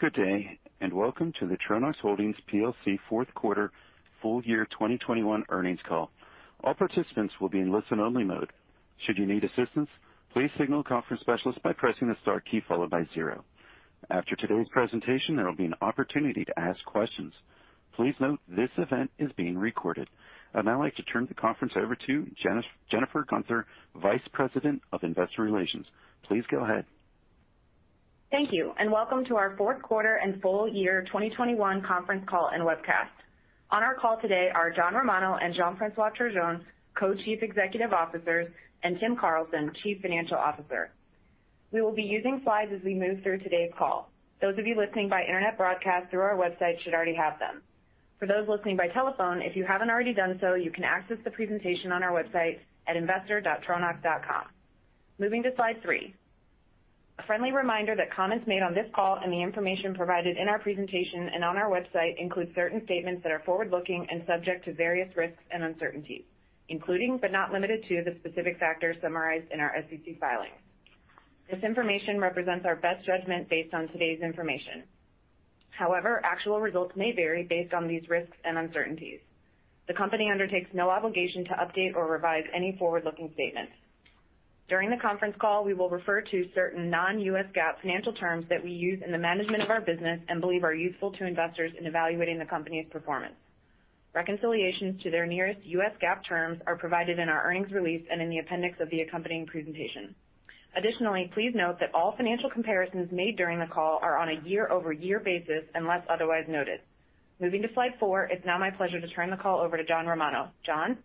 Good day, and welcome to the Tronox Holdings PLC Fourth Quarter Full Year 2021 Earnings Call. All participants will be in listen-only mode. Should you need assistance, please signal a conference specialist by pressing the star key followed by zero. After today's presentation, there will be an opportunity to ask questions. Please note this event is being recorded. I'd now like to turn the conference over to Jennifer Guenther, Vice President of Investor Relations. Please go ahead. Thank you, and welcome to our fourth quarter and full year 2021 conference call and webcast. On our call today are John Romano and Jean-François Turgeon, Co-Chief Executive Officers, and Tim Carlson, Chief Financial Officer. We will be using slides as we move through today's call. Those of you listening by internet broadcast through our website should already have them. For those listening by telephone, if you haven't already done so, you can access the presentation on our website at investor.tronox.com. Moving to slide three. A friendly reminder that comments made on this call and the information provided in our presentation and on our website include certain statements that are forward-looking and subject to various risks and uncertainties, including but not limited to the specific factors summarized in our SEC filings. This information represents our best judgment based on today's information. However, actual results may vary based on these risks and uncertainties. The company undertakes no obligation to update or revise any forward-looking statements. During the conference call, we will refer to certain non-U.S. GAAP financial terms that we use in the management of our business and believe are useful to investors in evaluating the company's performance. Reconciliations to their nearest U.S. GAAP terms are provided in our earnings release and in the appendix of the accompanying presentation. Additionally, please note that all financial comparisons made during the call are on a year-over-year basis unless otherwise noted. Moving to slide four, it's now my pleasure to turn the call over to John Romano. John?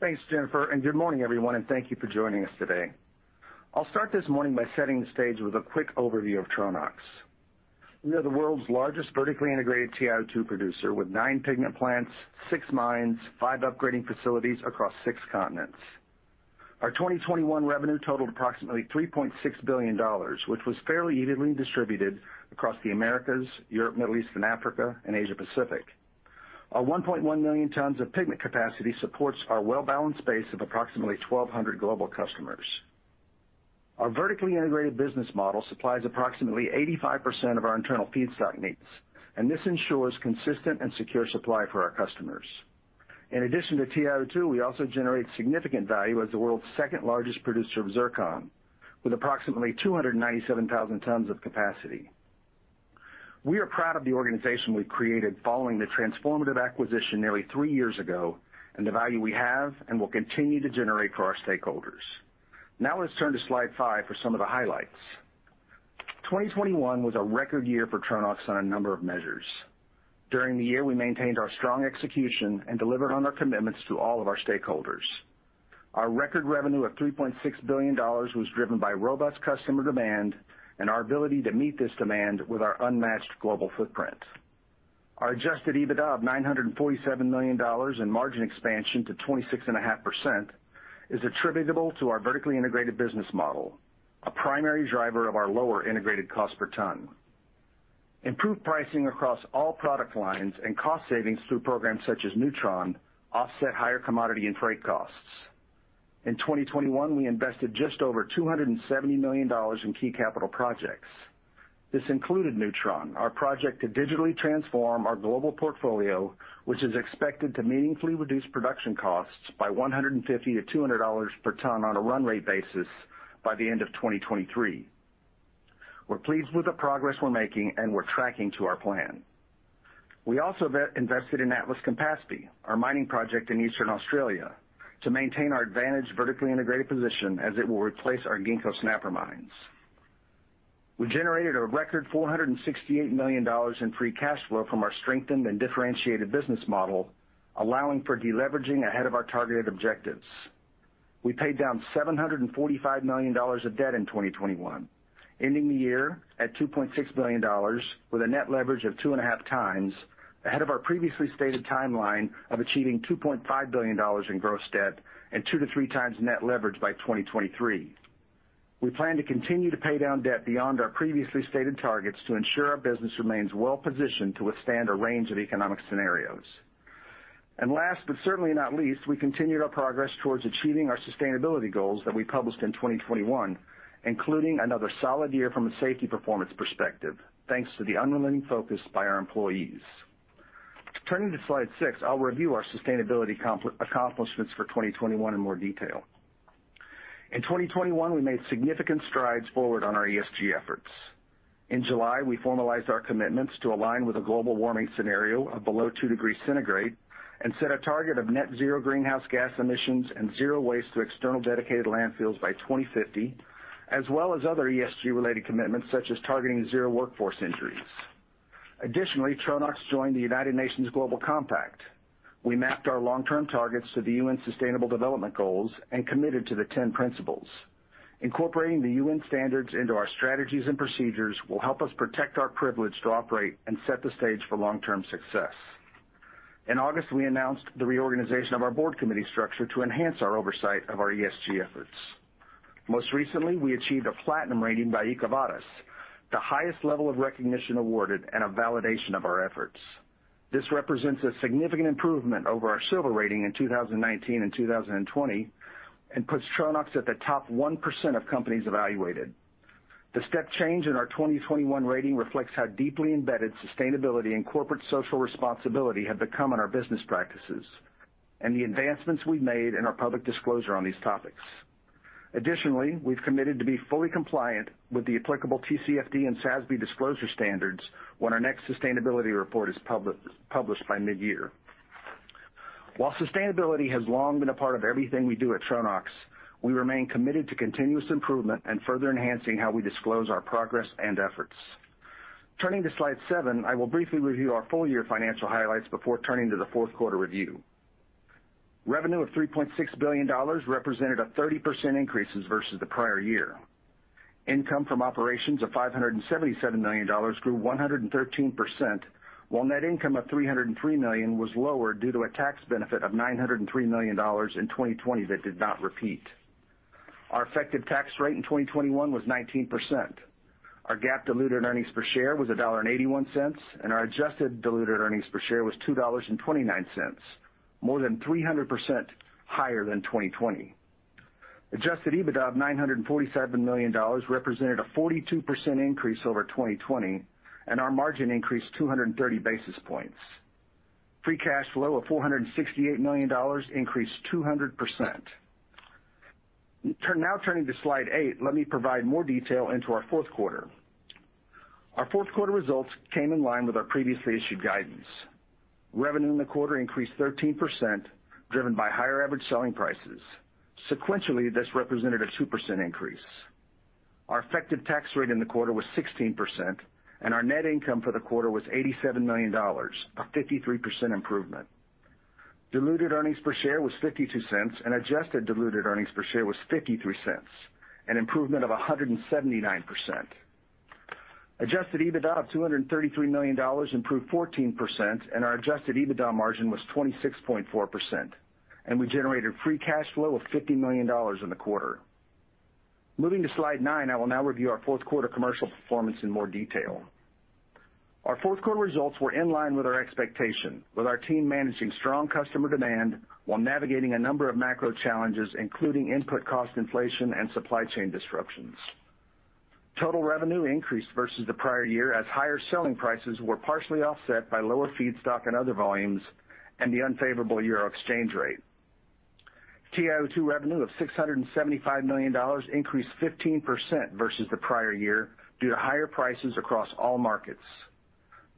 Thanks, Jennifer, and good morning, everyone, and thank you for joining us today. I'll start this morning by setting the stage with a quick overview of Tronox. We are the world's largest vertically integrated TiO2 producer with nine pigment plants, six mines, five upgrading facilities across six continents. Our 2021 revenue totaled approximately $3.6 billion, which was fairly evenly distributed across the Americas, Europe, Middle East and Africa, and Asia Pacific. Our 1.1 million tons of pigment capacity supports our well-balanced base of approximately 1,200 global customers. Our vertically integrated business model supplies approximately 85% of our internal feedstock needs, and this ensures consistent and secure supply for our customers. In addition to TiO2, we also generate significant value as the world's second-largest producer of zircon, with approximately 297,000 tons of capacity. We are proud of the organization we've created following the transformative acquisition nearly three years ago and the value we have and will continue to generate for our stakeholders. Now let's turn to slide 5 for some of the highlights. 2021 was a record year for Tronox on a number of measures. During the year, we maintained our strong execution and delivered on our commitments to all of our stakeholders. Our record revenue of $3.6 billion was driven by robust customer demand and our ability to meet this demand with our unmatched global footprint. Our adjusted EBITDA of $947 million and margin expansion to 26.5% is attributable to our vertically integrated business model, a primary driver of our lower integrated cost per ton. Improved pricing across all product lines and cost savings through programs such as newTRON offset higher commodity and freight costs. In 2021, we invested just over $270 million in key capital projects. This included newTRON, our project to digitally transform our global portfolio, which is expected to meaningfully reduce production costs by $150-$200 per ton on a run rate basis by the end of 2023. We're pleased with the progress we're making, and we're tracking to our plan. We also invested in Atlas-Campaspe, our mining project in eastern Australia, to maintain our advantaged vertically integrated position as it will replace our Ginkgo and Snapper mines. We generated a record $468 million in free cash flow from our strengthened and differentiated business model, allowing for deleveraging ahead of our targeted objectives. We paid down $745 million of debt in 2021, ending the year at $2.6 billion with a net leverage of 2.5x ahead of our previously stated timeline of achieving $2.5 billion in gross debt and 2-3x net leverage by 2023. We plan to continue to pay down debt beyond our previously stated targets to ensure our business remains well-positioned to withstand a range of economic scenarios. Last but certainly not least, we continued our progress towards achieving our sustainability goals that we published in 2021, including another solid year from a safety performance perspective, thanks to the unrelenting focus by our employees. Turning to slide six, I'll review our sustainability accomplishments for 2021 in more detail. In 2021, we made significant strides forward on our ESG efforts. In July, we formalized our commitments to align with a global warming scenario of below 2 degrees centigrade and set a target of net zero greenhouse gas emissions and zero waste to external dedicated landfills by 2050, as well as other ESG-related commitments such as targeting zero workforce injuries. Additionally, Tronox joined the United Nations Global Compact. We mapped our long-term targets to the UN Sustainable Development Goals and committed to the 10 principles. Incorporating the UN standards into our strategies and procedures will help us protect our privilege to operate and set the stage for long-term success. In August, we announced the reorganization of our board committee structure to enhance our oversight of our ESG efforts. Most recently, we achieved a platinum rating by EcoVadis, the highest level of recognition awarded and a validation of our efforts. This represents a significant improvement over our silver rating in 2019 and 2020, and puts Tronox at the top 1% of companies evaluated. The step change in our 2021 rating reflects how deeply embedded sustainability and corporate social responsibility have become in our business practices and the advancements we've made in our public disclosure on these topics. Additionally, we've committed to be fully compliant with the applicable TCFD and SASB disclosure standards when our next sustainability report is published by mid-year. While sustainability has long been a part of everything we do at Tronox, we remain committed to continuous improvement and further enhancing how we disclose our progress and efforts. Turning to slide seven, I will briefly review our full year financial highlights before turning to the fourth quarter review. Revenue of $3.6 billion represented a 30% increase versus the prior year. Income from operations of $577 million grew 113%, while net income of $303 million was lower due to a tax benefit of $903 million in 2020 that did not repeat. Our effective tax rate in 2021 was 19%. Our GAAP diluted earnings per share was $1.81, and our adjusted diluted earnings per share was $2.29, more than 300% higher than 2020. Adjusted EBITDA of $947 million represented a 42% increase over 2020, and our margin increased 230 basis points. Free cash flow of $468 million increased 200%. Now turning to slide 8, let me provide more detail into our fourth quarter. Our fourth quarter results came in line with our previously issued guidance. Revenue in the quarter increased 13%, driven by higher average selling prices. Sequentially, this represented a 2% increase. Our effective tax rate in the quarter was 16%, and our net income for the quarter was $87 million, a 53% improvement. Diluted earnings per share was $0.52, and adjusted diluted earnings per share was $0.53, an improvement of 179%. Adjusted EBITDA of $233 million improved 14%, and our adjusted EBITDA margin was 26.4%, and we generated free cash flow of $50 million in the quarter. Moving to slide nine, I will now review our fourth quarter commercial performance in more detail. Our fourth quarter results were in line with our expectation, with our team managing strong customer demand while navigating a number of macro challenges, including input cost inflation and supply chain disruptions. Total revenue increased versus the prior year as higher selling prices were partially offset by lower feedstock and other volumes and the unfavorable euro exchange rate. TiO2 revenue of $675 million increased 15% versus the prior year due to higher prices across all markets.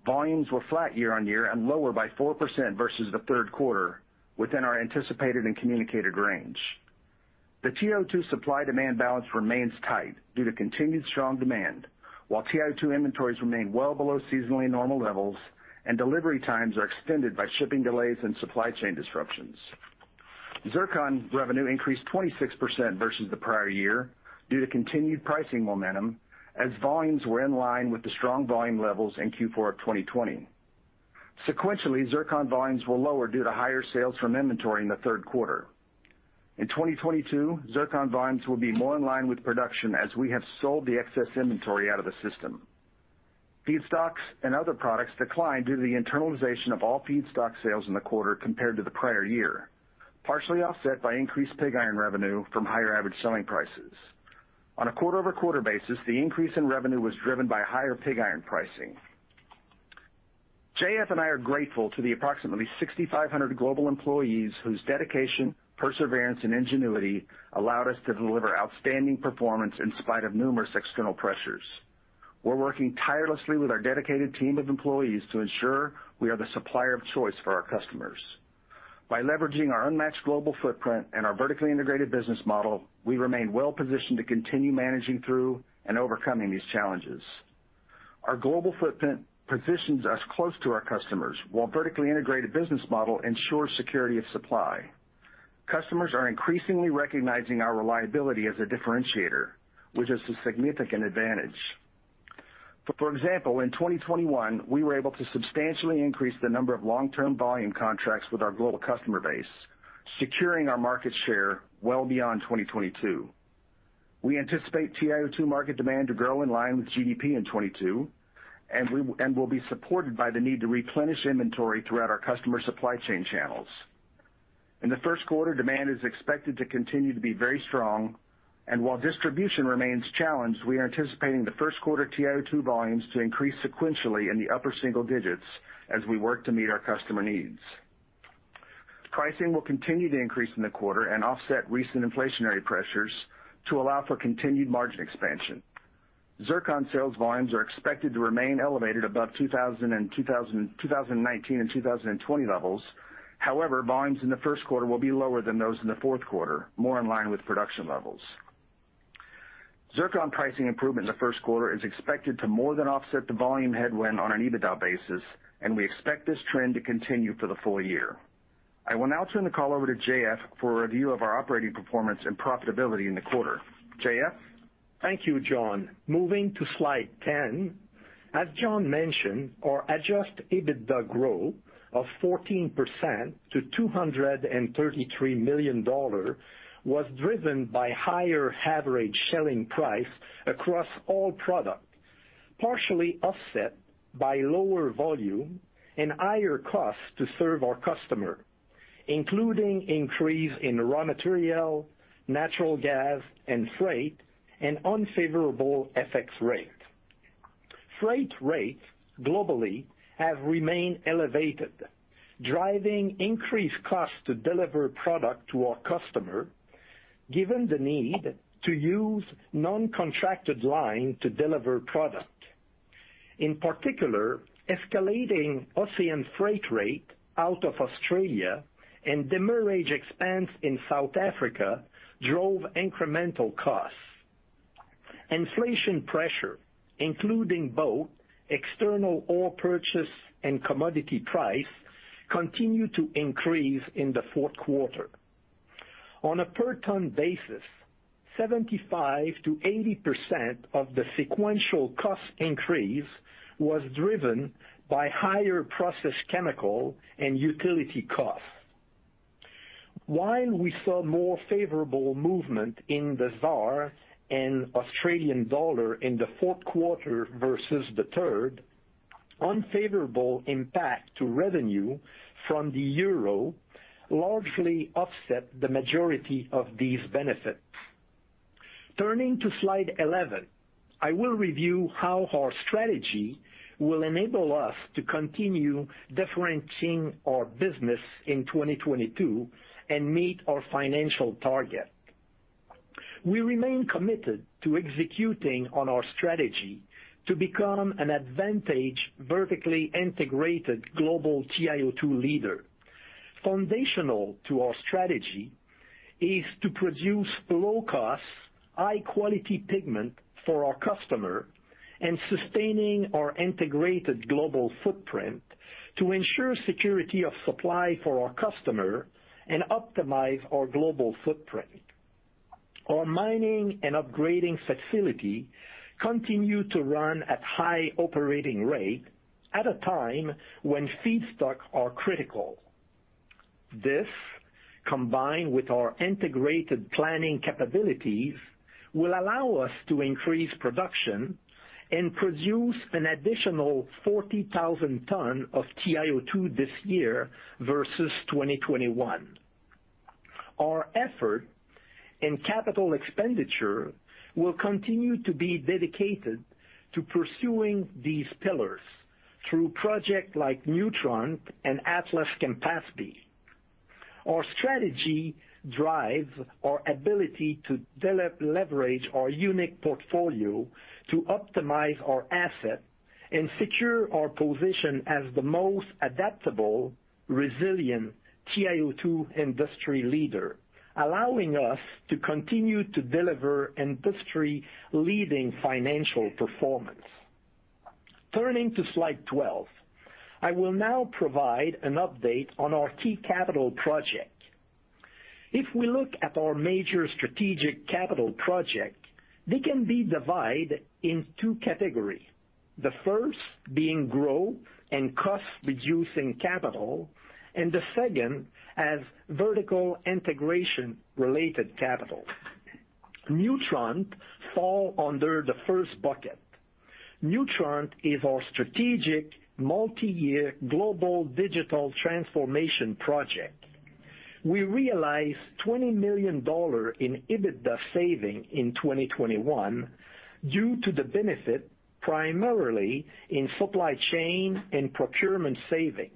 Volumes were flat year on year and lower by 4% versus the third quarter within our anticipated and communicated range. The TiO2 supply-demand balance remains tight due to continued strong demand, while TiO2 inventories remain well below seasonally normal levels and delivery times are extended by shipping delays and supply chain disruptions. Zircon revenue increased 26% versus the prior year due to continued pricing momentum as volumes were in line with the strong volume levels in Q4 of 2020. Sequentially, zircon volumes were lower due to higher sales from inventory in the third quarter. In 2022, zircon volumes will be more in line with production as we have sold the excess inventory out of the system. Feedstocks and other products declined due to the internalization of all feedstock sales in the quarter compared to the prior year, partially offset by increased pig iron revenue from higher average selling prices. On a quarter-over-quarter basis, the increase in revenue was driven by higher pig iron pricing. JF and I are grateful to the approximately 6,500 global employees whose dedication, perseverance, and ingenuity allowed us to deliver outstanding performance in spite of numerous external pressures. We're working tirelessly with our dedicated team of employees to ensure we are the supplier of choice for our customers. By leveraging our unmatched global footprint and our vertically integrated business model, we remain well-positioned to continue managing through and overcoming these challenges. Our global footprint positions us close to our customers, while vertically integrated business model ensures security of supply. Customers are increasingly recognizing our reliability as a differentiator, which is a significant advantage. For example, in 2021, we were able to substantially increase the number of long-term volume contracts with our global customer base, securing our market share well beyond 2022. We anticipate TiO2 market demand to grow in line with GDP in 2022, and will be supported by the need to replenish inventory throughout our customer supply chain channels. In the first quarter, demand is expected to continue to be very strong, and while distribution remains challenged, we are anticipating the first quarter TiO2 volumes to increase sequentially in the upper single digits as we work to meet our customer needs. Pricing will continue to increase in the quarter and offset recent inflationary pressures to allow for continued margin expansion. Zircon sales volumes are expected to remain elevated above 2,000 and 2019 and 2020 levels. However, volumes in the first quarter will be lower than those in the fourth quarter, more in line with production levels. Zircon pricing improvement in the first quarter is expected to more than offset the volume headwind on an EBITDA basis, and we expect this trend to continue for the full year. I will now turn the call over to JF for a review of our operating performance and profitability in the quarter. JF? Thank you, John. Moving to slide 10. As John mentioned, our adjusted EBITDA growth of 14% to $233 million was driven by higher average selling price across all products. Partially offset by lower volume and higher costs to serve our customer, including increase in raw material, natural gas and freight, and unfavorable FX rate. Freight rates globally have remained elevated, driving increased costs to deliver product to our customer, given the need to use non-contracted line to deliver product. In particular, escalating ocean freight rate out of Australia and demurrage expense in South Africa drove incremental costs. Inflation pressure, including both external ore purchase and commodity price, continued to increase in the fourth quarter. On a per ton basis, 75%-80% of the sequential cost increase was driven by higher process chemical and utility costs. While we saw more favorable movement in the ZAR and Australian dollar in the fourth quarter versus the third, unfavorable impact to revenue from the euro largely offset the majority of these benefits. Turning to slide 11, I will review how our strategy will enable us to continue differentiating our business in 2022 and meet our financial target. We remain committed to executing on our strategy to become an advantage vertically integrated global TiO2 leader. Foundational to our strategy is to produce low cost, high-quality pigment for our customer and sustaining our integrated global footprint to ensure security of supply for our customer and optimize our global footprint. Our mining and upgrading facility continue to run at high operating rate at a time when feedstocks are critical. This, combined with our integrated planning capabilities, will allow us to increase production and produce an additional 40,000 tons of TiO2 this year versus 2021. Our effort in capital expenditure will continue to be dedicated to pursuing these pillars through projects like newTRON and Atlas-Campaspe. Our strategy drives our ability to deleverage our unique portfolio to optimize our assets and secure our position as the most adaptable, resilient TiO2 industry leader, allowing us to continue to deliver industry-leading financial performance. Turning to slide 12, I will now provide an update on our key capital projects. If we look at our major strategic capital projects, they can be divided into 2 categories. The first being growth and cost-reducing capital, and the second as vertical integration-related capital. newTRON falls under the first bucket. newTRON is our strategic multi-year global digital transformation project. We realized $20 million in EBITDA savings in 2021 due to the benefits primarily in supply chain and procurement savings.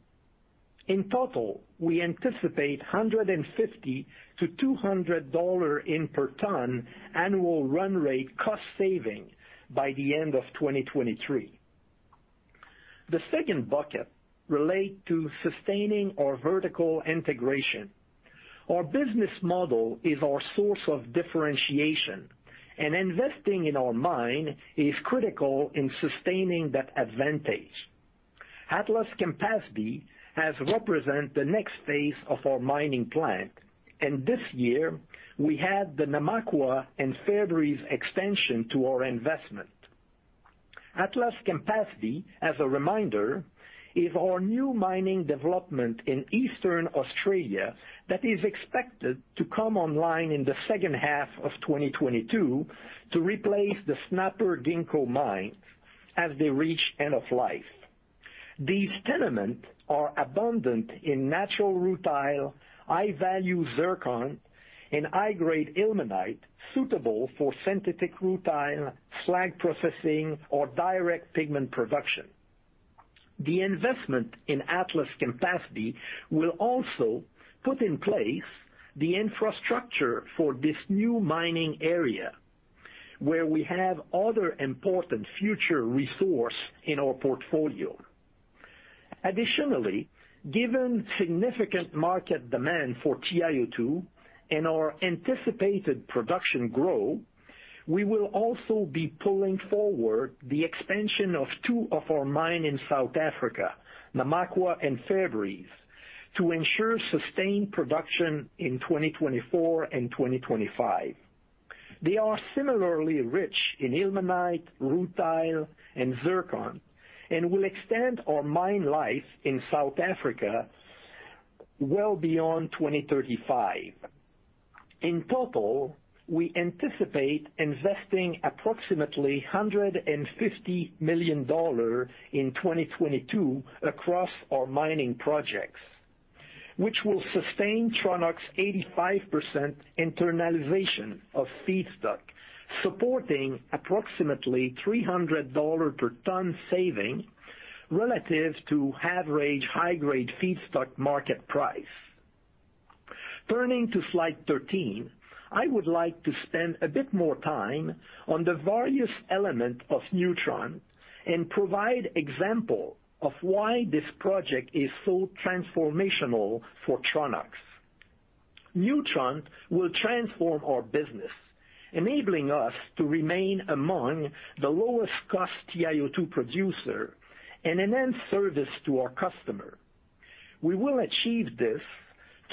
In total, we anticipate $150-$200 per ton annual run rate cost savings by the end of 2023. The second bucket relates to sustaining our vertical integration. Our business model is our source of differentiation, and investing in our mines is critical in sustaining that advantage. Atlas-Campaspe has represented the next phase of our mining plan, and this year we have the Namakwa and Fairbreeze extensions to our investment. Atlas-Campaspe, as a reminder, is our new mining development in eastern Australia that is expected to come online in the second half of 2022 to replace the Snapper-Ginkgo mines as they reach end of life. These tenements are abundant in natural rutile, high-value zircon, and high-grade ilmenite suitable for synthetic rutile, slag processing, or direct pigment production. The investment in Atlas-Campaspe will also put in place the infrastructure for this new mining area, where we have other important future resource in our portfolio. Additionally, given significant market demand for TiO2 and our anticipated production growth, we will also be pulling forward the expansion of two of our mine in South Africa, Namakwa and Fairbreeze, to ensure sustained production in 2024 and 2025. They are similarly rich in ilmenite, rutile, and zircon and will extend our mine life in South Africa well beyond 2035. In total, we anticipate investing approximately $150 million in 2022 across our mining projects, which will sustain Tronox 85% internalization of feedstock, supporting approximately $300 per ton saving relative to average high-grade feedstock market price. Turning to slide 13, I would like to spend a bit more time on the various elements of newTRON and provide example of why this project is so transformational for Tronox. newTRON will transform our business, enabling us to remain among the lowest cost TiO2 producer and enhance service to our customer. We will achieve this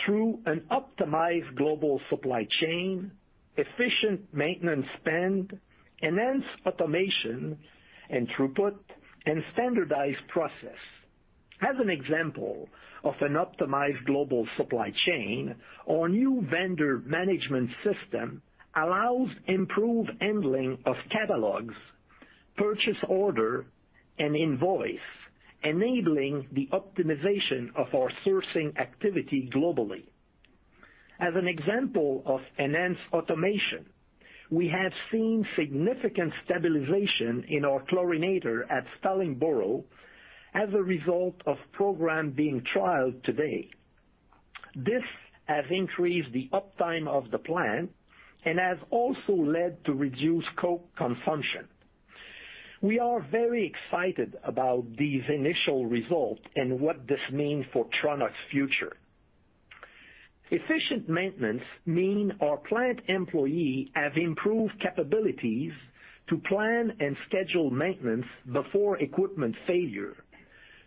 through an optimized global supply chain, efficient maintenance spend, enhanced automation and throughput, and standardized process. As an example of an optimized global supply chain, our new vendor management system allows improved handling of catalogs, purchase order, and invoice, enabling the optimization of our sourcing activity globally. As an example of enhanced automation, we have seen significant stabilization in our chlorinator at Stallingborough as a result of program being trialed today. This has increased the uptime of the plant and has also led to reduced coke consumption. We are very excited about these initial results and what this means for Tronox future. Efficient maintenance mean our plant employee have improved capabilities to plan and schedule maintenance before equipment failure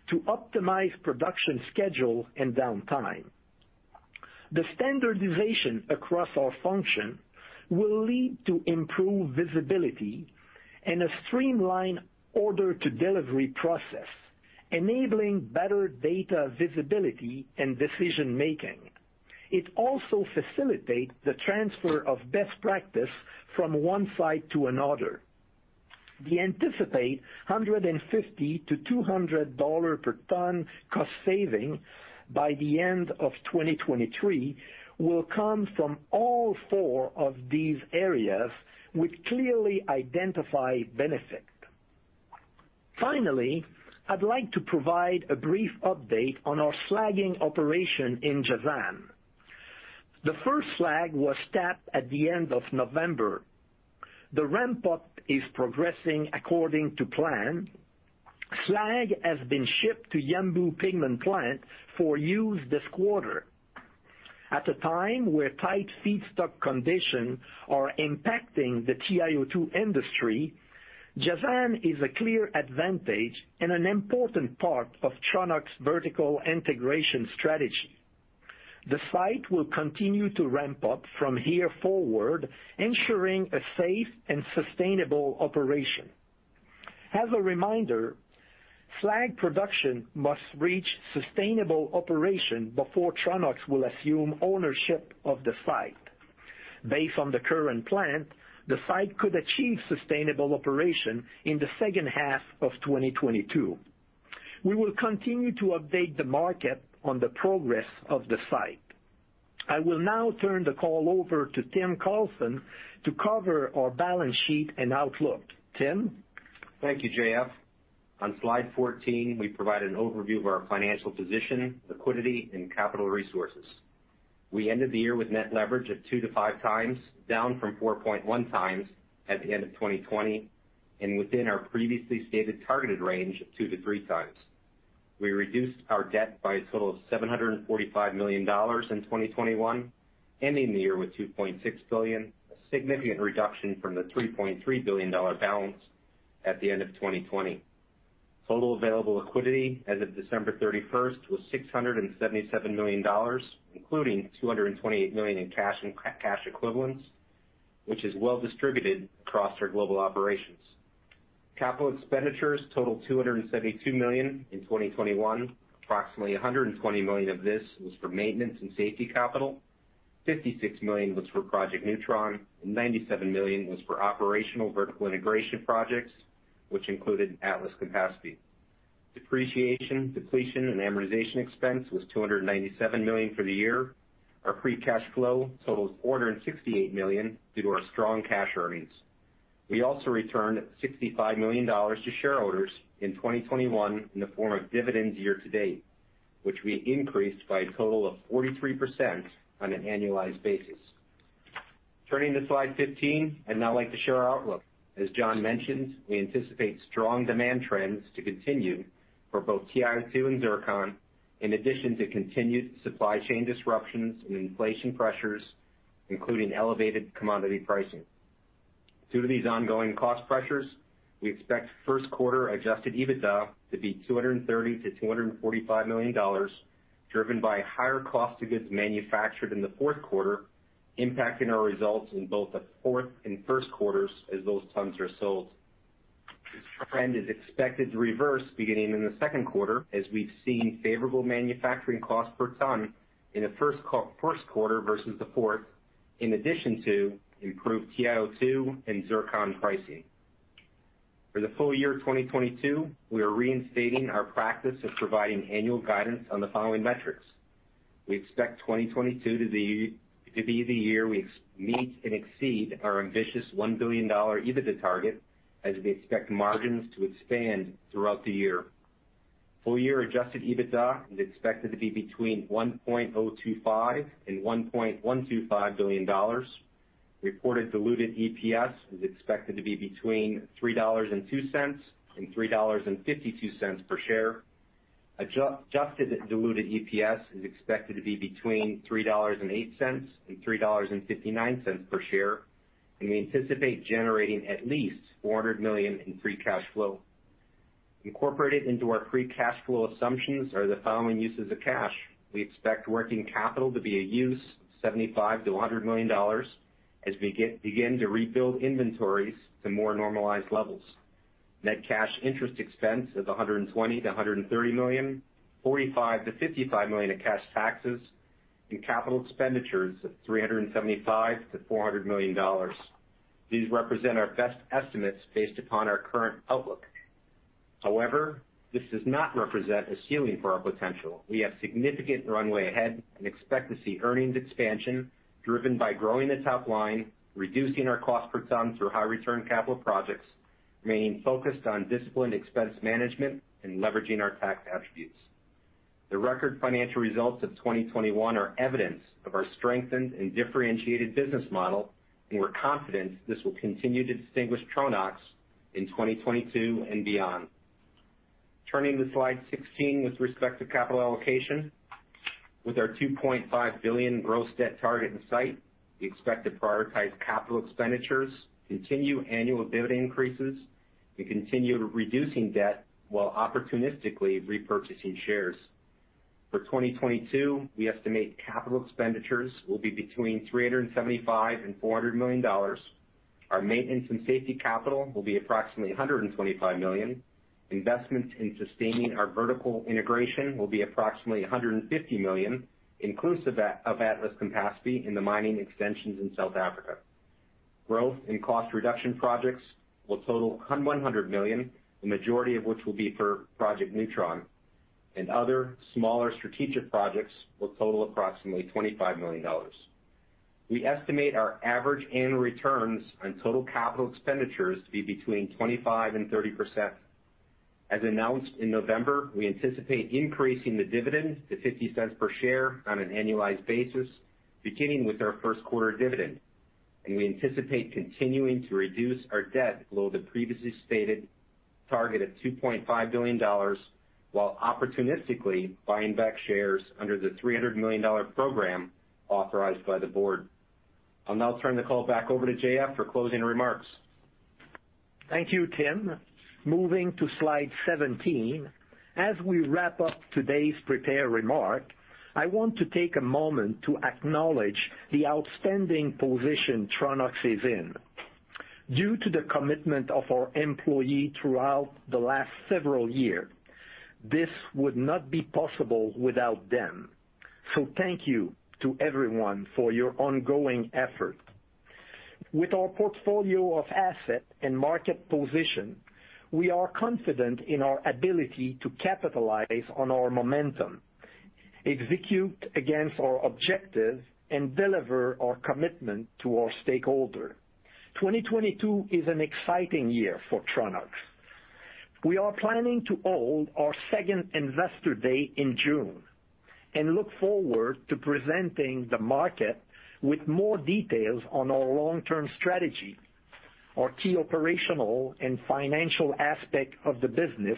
to optimize production schedule and downtime. The standardization across our function will lead to improved visibility and a streamlined order-to-delivery process, enabling better data visibility and decision-making. It also facilitate the transfer of best practice from one site to another. We anticipate $150-$200 per ton cost savings by the end of 2023 will come from all four of these areas with clearly identified benefits. Finally, I'd like to provide a brief update on our slagging operation in Jazan. The first slag was tapped at the end of November. The ramp-up is progressing according to plan. Slag has been shipped to Yanbu pigment plant for use this quarter. At a time where tight feedstock conditions are impacting the TiO2 industry, Jazan is a clear advantage and an important part of Tronox vertical integration strategy. The site will continue to ramp up from here forward, ensuring a safe and sustainable operation. As a reminder, slag production must reach sustainable operation before Tronox will assume ownership of the site. Based on the current plan, the site could achieve sustainable operation in the second half of 2022. We will continue to update the market on the progress of the site. I will now turn the call over to Tim Carlson to cover our balance sheet and outlook. Tim? Thank you, J.F. On slide 14, we provide an overview of our financial position, liquidity, and capital resources. We ended the year with net leverage of 2-5x, down from 4.1x at the end of 2020, and within our previously stated targeted range of 2-3x. We reduced our debt by a total of $745 million in 2021, ending the year with $2.6 billion, a significant reduction from the $3.3 billion balance at the end of 2020. Total available liquidity as of December 31 was $677 million, including $228 million in cash and cash equivalents, which is well distributed across our global operations. Capital expenditures totaled $272 million in 2021. Approximately $120 million of this was for maintenance and safety capital. $56 million was for Project newTRON, and $97 million was for operational vertical integration projects, which included Atlas-Campaspe. Depreciation, depletion, and amortization expense was $297 million for the year. Our free cash flow totals $468 million due to our strong cash earnings. We also returned $65 million to shareholders in 2021 in the form of dividends year to date, which we increased by a total of 43% on an annualized basis. Turning to slide 15, I'd now like to share our outlook. As John mentioned, we anticipate strong demand trends to continue for both TiO2 and zircon, in addition to continued supply chain disruptions and inflation pressures, including elevated commodity pricing. Due to these ongoing cost pressures, we expect first quarter adjusted EBITDA to be $230 million-$245 million, driven by higher cost of goods manufactured in the fourth quarter, impacting our results in both the fourth and first quarters as those tons are sold. This trend is expected to reverse beginning in the second quarter as we've seen favorable manufacturing costs per ton in the first quarter versus the fourth, in addition to improved TiO2 and zircon pricing. For the full year 2022, we are reinstating our practice of providing annual guidance on the following metrics. We expect 2022 to be the year we meet and exceed our ambitious $1 billion EBITDA target as we expect margins to expand throughout the year. Full year adjusted EBITDA is expected to be between $1.025 billion and $1.125 billion. Reported diluted EPS is expected to be between $3.02 and $3.52 per share. Adjusted diluted EPS is expected to be between $3.08 and $3.59 per share. We anticipate generating at least $400 million in free cash flow. Incorporated into our free cash flow assumptions are the following uses of cash. We expect working capital to be a use of $75 million-$100 million as we begin to rebuild inventories to more normalized levels. Net cash interest expense is $120 million-$130 million, $45 million-$55 million of cash taxes, and capital expenditures of $375 million-$400 million. These represent our best estimates based upon our current outlook. However, this does not represent a ceiling for our potential. We have significant runway ahead and expect to see earnings expansion driven by growing the top line, reducing our cost per ton through high return capital projects, remaining focused on disciplined expense management, and leveraging our tax attributes. The record financial results of 2021 are evidence of our strengthened and differentiated business model, and we're confident this will continue to distinguish Tronox in 2022 and beyond. Turning to slide 16 with respect to capital allocation. With our $2.5 billion gross debt target in sight, we expect to prioritize capital expenditures, continue annual dividend increases, and continue reducing debt while opportunistically repurchasing shares. For 2022, we estimate capital expenditures will be between $375 million and $400 million. Our maintenance and safety capital will be approximately $125 million. Investments in sustaining our vertical integration will be approximately $150 million, inclusive of Atlas-Campaspe in the mining extensions in South Africa. Growth and cost reduction projects will total $100 million, the majority of which will be for Project newTRON. Other smaller strategic projects will total approximately $25 million. We estimate our average annual returns on total capital expenditures to be 25%-30%. As announced in November, we anticipate increasing the dividend to $0.50 per share on an annualized basis, beginning with our first quarter dividend. We anticipate continuing to reduce our debt below the previously stated target of $2.5 billion, while opportunistically buying back shares under the $300 million program authorized by the board. I'll now turn the call back over to JF for closing remarks. Thank you, Tim. Moving to slide 17. As we wrap up today's prepared remarks, I want to take a moment to acknowledge the outstanding position Tronox is in due to the commitment of our employees throughout the last several years. This would not be possible without them. Thank you to everyone for your ongoing efforts. With our portfolio of assets and market position, we are confident in our ability to capitalize on our momentum, execute against our objectives, and deliver our commitment to our stakeholders. 2022 is an exciting year for Tronox. We are planning to hold our second Investor Day in June and look forward to presenting the market with more details on our long-term strategy, our key operational and financial aspects of the business,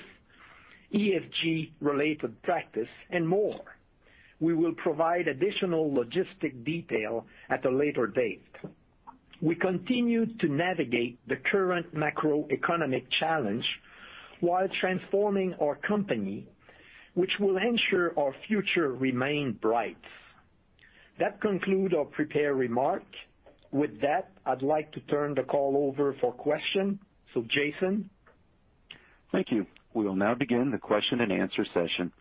ESG-related practices, and more. We will provide additional logistical details at a later date. We continue to navigate the current macroeconomic challenge while transforming our company, which will ensure our future remain bright. That conclude our prepared remark. With that, I'd like to turn the call over for question to Jason. Thank you. We will now begin the question-and-answer session.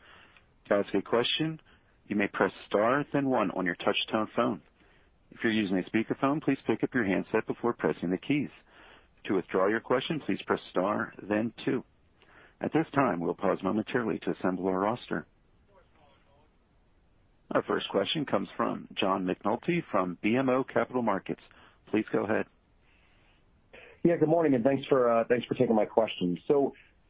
To ask a question, you may press star then one on your touch-tone phone. If you're using a speakerphone, please pick up your handset before pressing the keys. To withdraw your question, please press star then two. At this time, we'll pause momentarily to assemble our roster. Our first question comes from John McNulty from BMO Capital Markets. Please go ahead. Yeah, good morning, and thanks for taking my question.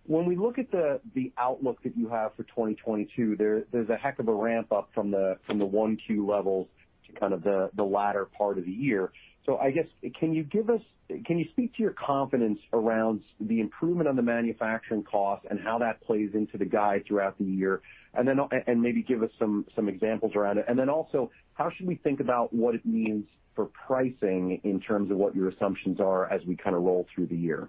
When we look at the outlook that you have for 2022, there's a heck of a ramp up from the Q1 levels to kind of the latter part of the year. I guess, can you speak to your confidence around the improvement on the manufacturing cost and how that plays into the guide throughout the year? And then maybe give us some examples around it. And then also, how should we think about what it means for pricing in terms of what your assumptions are as we kind of roll through the year?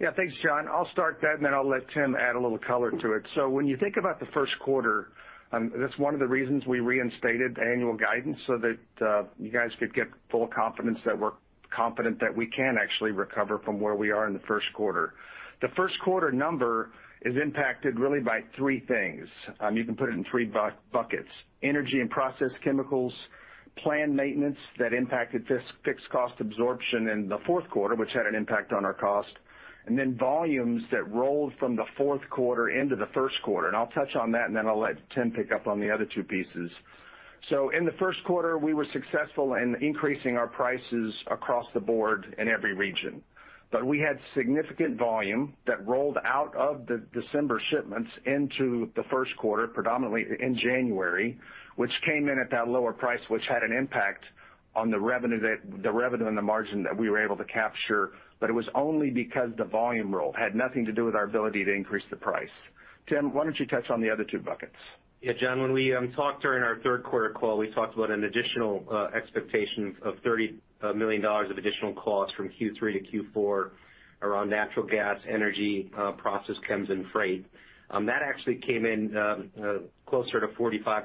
Yeah. Thanks, John. I'll start that, and then I'll let Tim add a little color to it. When you think about the first quarter, that's one of the reasons we reinstated annual guidance so that you guys could get full confidence that we're confident that we can actually recover from where we are in the first quarter. The first quarter number is impacted really by three things. You can put it in three buckets. Energy and process chemicals, planned maintenance that impacted this fixed cost absorption in the fourth quarter, which had an impact on our cost, and then volumes that rolled from the fourth quarter into the first quarter. I'll touch on that, and then I'll let Tim pick up on the other two pieces. In the first quarter, we were successful in increasing our prices across the board in every region. We had significant volume that rolled out of the December shipments into the first quarter, predominantly in January, which came in at that lower price, which had an impact on the revenue and the margin that we were able to capture. It was only because the volume roll had nothing to do with our ability to increase the price. Tim, why don't you touch on the other two buckets? Yeah, John, when we talked during our third quarter call, we talked about an additional expectation of $30 million of additional costs from Q3 to Q4 around natural gas, energy, process chems, and freight. That actually came in closer to $45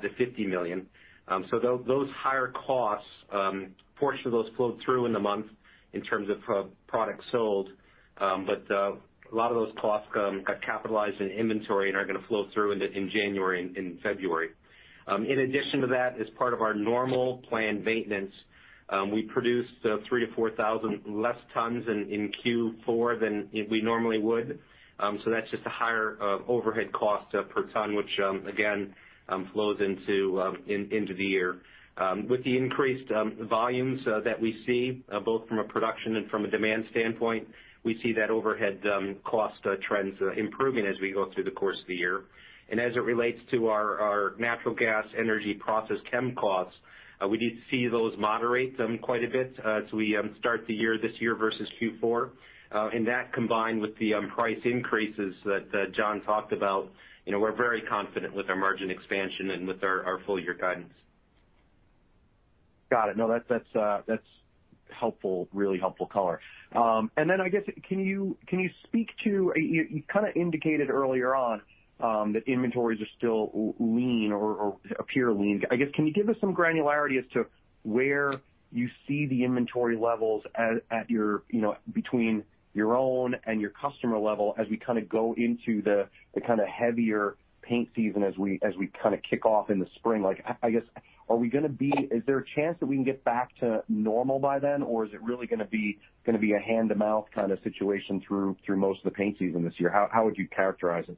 million-$50 million. So those higher costs, a portion of those flowed through in the month in terms of products sold. But a lot of those costs got capitalized in inventory and are gonna flow through into January and February. In addition to that, as part of our normal planned maintenance, we produced 3,000-4,000 less tons in Q4 than we normally would. So that's just a higher overhead cost per ton, which again flows into the year. With the increased volumes that we see both from a production and from a demand standpoint, we see that overhead cost trends improving as we go through the course of the year. As it relates to our natural gas, energy, process chem costs, we did see those moderate quite a bit as we start the year this year versus Q4. That combined with the price increases that John talked about, we're very confident with our margin expansion and with our full year guidance. Got it. No, that's that's helpful, really helpful color. And then I guess, can you speak to. You kind of indicated earlier on that inventories are still lean or appear lean. I guess, can you give us some granularity as to where you see the inventory levels at your, you know, between your own and your customer level as we kinda go into the kinda heavier paint season as we kinda kick off in the spring? Like, I guess, are we gonna be. Is there a chance that we can get back to normal by then, or is it really gonna be a hand-to-mouth kind of situation through most of the paint season this year? How would you characterize it?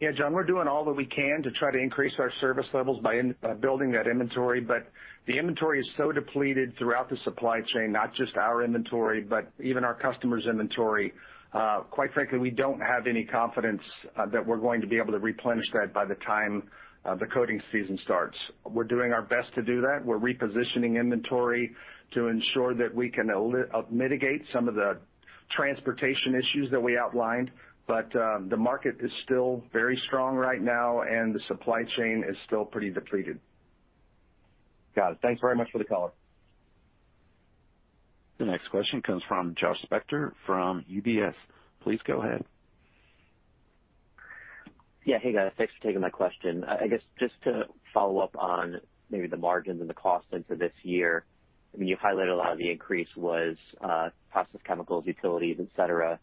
Yeah, John, we're doing all that we can to try to increase our service levels by building that inventory. The inventory is so depleted throughout the supply chain, not just our inventory, but even our customers' inventory. Quite frankly, we don't have any confidence that we're going to be able to replenish that by the time the coatings season starts. We're doing our best to do that. We're repositioning inventory to ensure that we can mitigate some of the transportation issues that we outlined. The market is still very strong right now, and the supply chain is still pretty depleted. Got it. Thanks very much for the color. The next question comes from Josh Spector from UBS. Please go ahead. Yeah. Hey, guys. Thanks for taking my question. I guess just to follow up on maybe the margins and the costs into this year, I mean, you highlighted a lot of the increase was process chemicals, utilities, et cetera.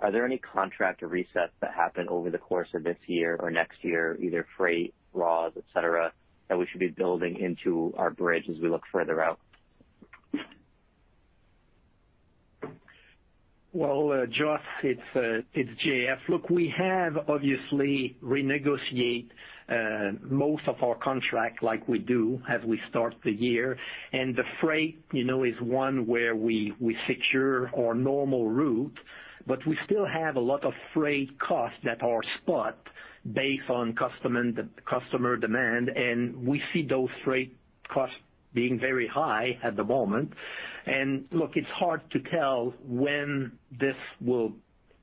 Are there any contract or resets that happen over the course of this year or next year, either freight, raws, et cetera, that we should be building into our bridge as we look further out? Well, Josh, it's JF. Look, we have obviously renegotiate most of our contract like we do as we start the year. The freight, you know, is one where we secure our normal route, but we still have a lot of freight costs that are spot based on customer demand, and we see those freight costs being very high at the moment. Look, it's hard to tell when this will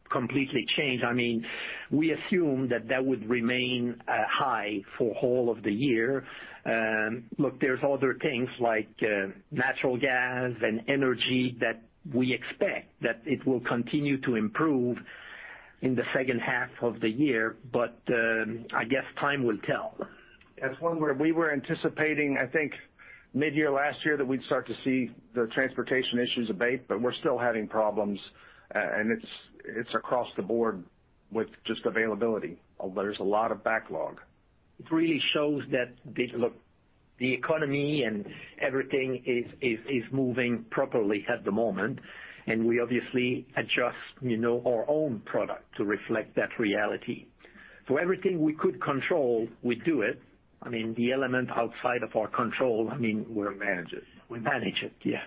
completely change. I mean, we assume that would remain high for whole of the year. Look, there's other things like natural gas and energy that we expect that it will continue to improve in the second half of the year, but I guess time will tell. As one where we were anticipating, I think midyear last year that we'd start to see the transportation issues abate, but we're still having problems. It's across the board with just availability. There's a lot of backlog. It really shows that the economy and everything is moving properly at the moment, and we obviously adjust, you know, our own product to reflect that reality. Everything we could control, we do it. I mean, the element outside of our control, I mean, we'll manage it. We manage it. Yeah.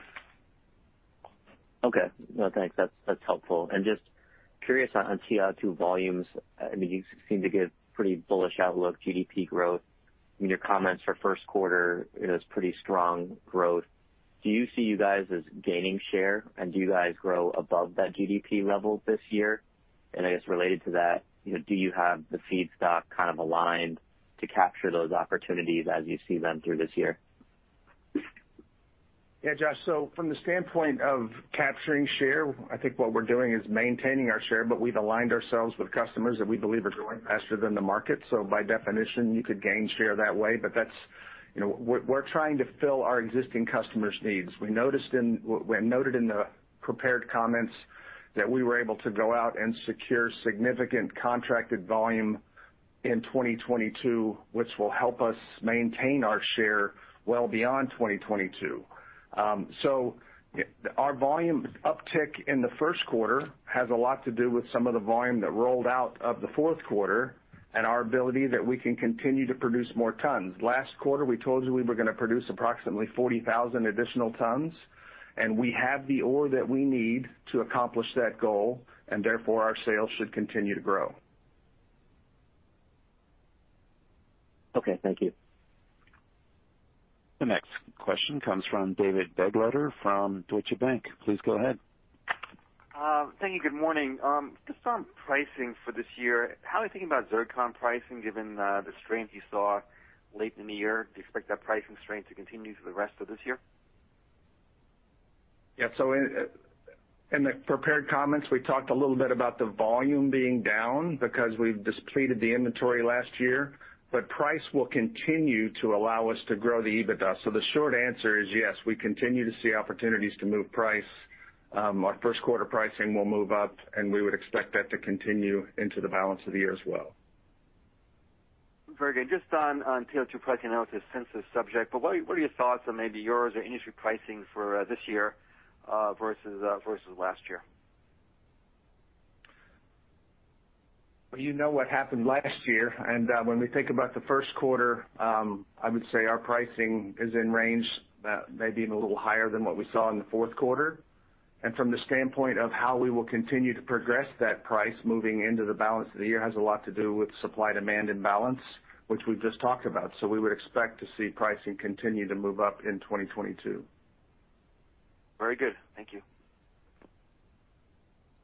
Okay. No, thanks. That's helpful. Just curious on TiO2 volumes. I mean, you seem to give pretty bullish outlook on GDP growth. In your comments for first quarter, it was pretty strong growth. Do you see you guys as gaining share, and do you guys grow above that GDP level this year? I guess related to that, you know, do you have the feedstock kind of aligned to capture those opportunities as you see them through this year? Yeah, Josh, from the standpoint of capturing share, I think what we're doing is maintaining our share, but we've aligned ourselves with customers that we believe are growing faster than the market. By definition, you could gain share that way. But that's, you know. We're trying to fill our existing customers' needs. We had noted in the prepared comments that we were able to go out and secure significant contracted volume in 2022, which will help us maintain our share well beyond 2022. Our volume uptick in the first quarter has a lot to do with some of the volume that rolled out of the fourth quarter and our ability that we can continue to produce more tons. Last quarter, we told you we were gonna produce approximately 40,000 additional tons, and we have the ore that we need to accomplish that goal, and therefore, our sales should continue to grow. Okay, thank you. The next question comes from David Begleiter from Deutsche Bank. Please go ahead. Thank you. Good morning. Just on pricing for this year, how are you thinking about zircon pricing, given the strength you saw late in the year? Do you expect that pricing strength to continue through the rest of this year? Yeah. In the prepared comments, we talked a little bit about the volume being down because we've depleted the inventory last year, but price will continue to allow us to grow the EBITDA. The short answer is, yes, we continue to see opportunities to move price. Our first quarter pricing will move up, and we would expect that to continue into the balance of the year as well. Very good. Just on TiO2 pricing, I know it's a sensitive subject, but what are your thoughts on maybe yours or industry pricing for this year versus last year? Well, you know what happened last year, and when we think about the first quarter, I would say our pricing is in range, maybe even a little higher than what we saw in the fourth quarter. From the standpoint of how we will continue to progress that price moving into the balance of the year has a lot to do with supply-demand imbalance, which we've just talked about. We would expect to see pricing continue to move up in 2022. Very good. Thank you.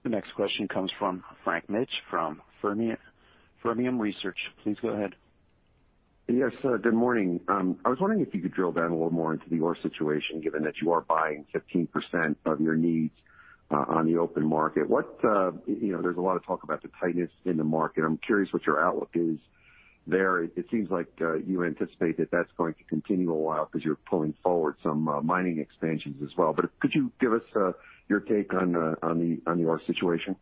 The next question comes from Frank Mitsch from Fermium Research. Please go ahead. Yes, good morning. I was wondering if you could drill down a little more into the ore situation, given that you are buying 15% of your needs on the open market. What, you know, there's a lot of talk about the tightness in the market. I'm curious what your outlook is there. It seems like you anticipate that that's going to continue a while 'cause you're pulling forward some mining expansions as well. Could you give us your take on the ore situation?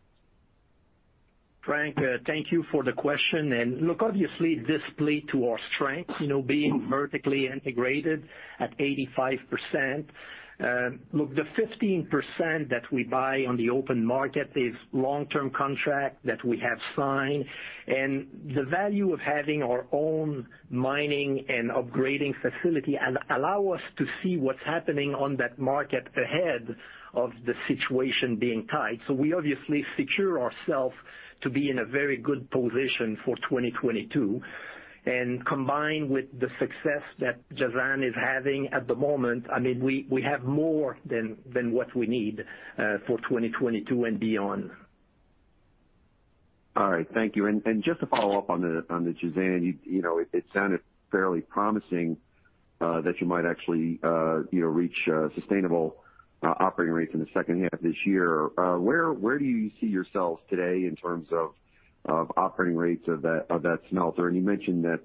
Frank, thank you for the question. Look, obviously this play to our strength, you know, being vertically integrated at 85%. Look, the 15% that we buy on the open market is long-term contract that we have signed. The value of having our own mining and upgrading facility allow us to see what's happening on that market ahead of the situation being tight. We obviously secure ourself to be in a very good position for 2022. Combined with the success that Jazan is having at the moment, I mean, we have more than what we need for 2022 and beyond. All right, thank you. Just to follow up on the Jazan, you know, it sounded fairly promising that you might actually, you know, reach a sustainable operating rate in the second half of this year. Where do you see yourselves today in terms of operating rates of that smelter? You mentioned that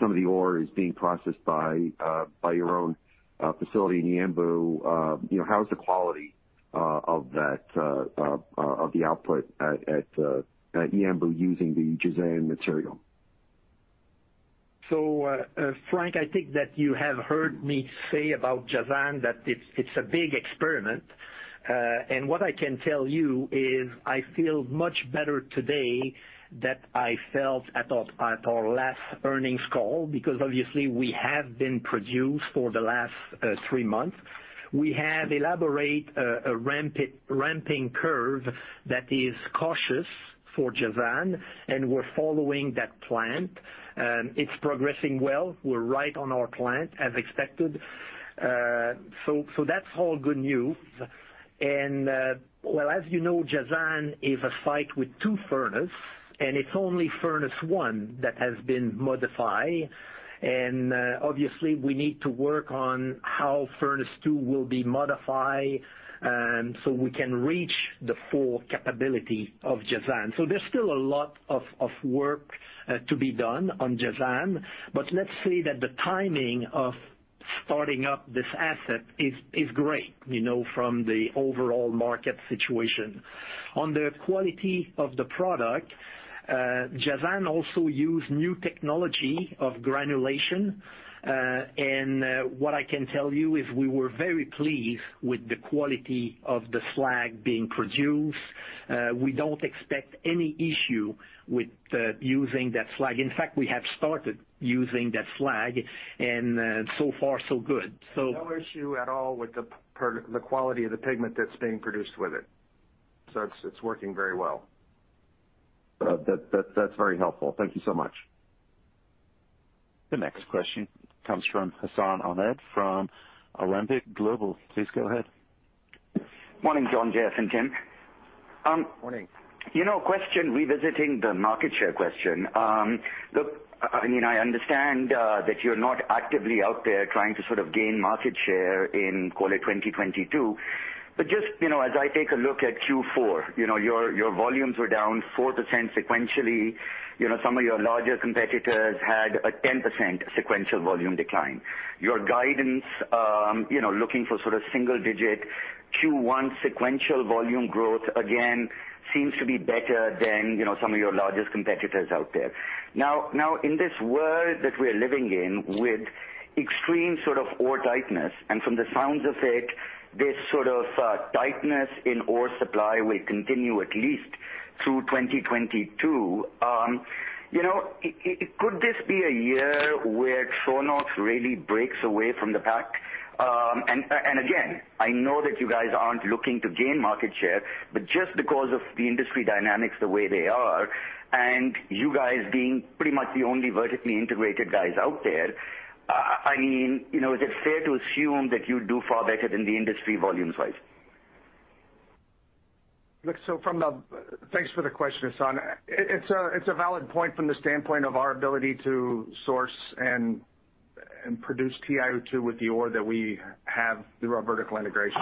some of the ore is being processed by your own facility in Yanbu. You know, how is the quality of the output at Yanbu using the Jazan material? Frank, I think that you have heard me say about Jazan that it's a big experiment. What I can tell you is I feel much better today than I felt at our last earnings call, because obviously we have been producing for the last three months. We have elaborated a ramping curve that is cautious for Jazan, and we're following that plan. It's progressing well. We're right on our plan, as expected. That's all good news. Well, as you know, Jazan is a site with two furnaces, and it's only furnace one that has been modified. Obviously, we need to work on how furnace two will be modified, so we can reach the full capability of Jazan. There's still a lot of work to be done on Jazan, but let's say that the timing of starting up this asset is great, you know, from the overall market situation. On the quality of the product, Jazan also use new technology of granulation. What I can tell you is we were very pleased with the quality of the slag being produced. We don't expect any issue with using that slag. In fact, we have started using that slag, and so far so good. No issue at all with the quality of the pigment that's being produced with it. It's working very well. That's very helpful. Thank you so much. The next question comes from Hassan Ahmed from Alembic Global Advisors. Please go ahead. Morning, John, Jeff, and Tim. Morning. You know, a question revisiting the market share question. Look, I mean, I understand that you're not actively out there trying to sort of gain market share in call it 2022, but just, you know, as I take a look at Q4, you know, your volumes were down 4% sequentially. You know, some of your larger competitors had a 10% sequential volume decline. Your guidance, you know, looking for sort of single-digit Q1 sequential volume growth, again seems to be better than, you know, some of your largest competitors out there. Now in this world that we're living in with extreme sort of ore tightness, and from the sounds of it, this sort of tightness in ore supply will continue at least through 2022. You know, could this be a year where Tronox really breaks away from the pack? Again, I know that you guys aren't looking to gain market share, but just because of the industry dynamics, the way they are, and you guys being pretty much the only vertically integrated guys out there, I mean, you know, is it fair to assume that you'll do far better than the industry volume-wise? Thanks for the question, Hassan. It's a valid point from the standpoint of our ability to source and produce TiO2 with the ore that we have through our vertical integration.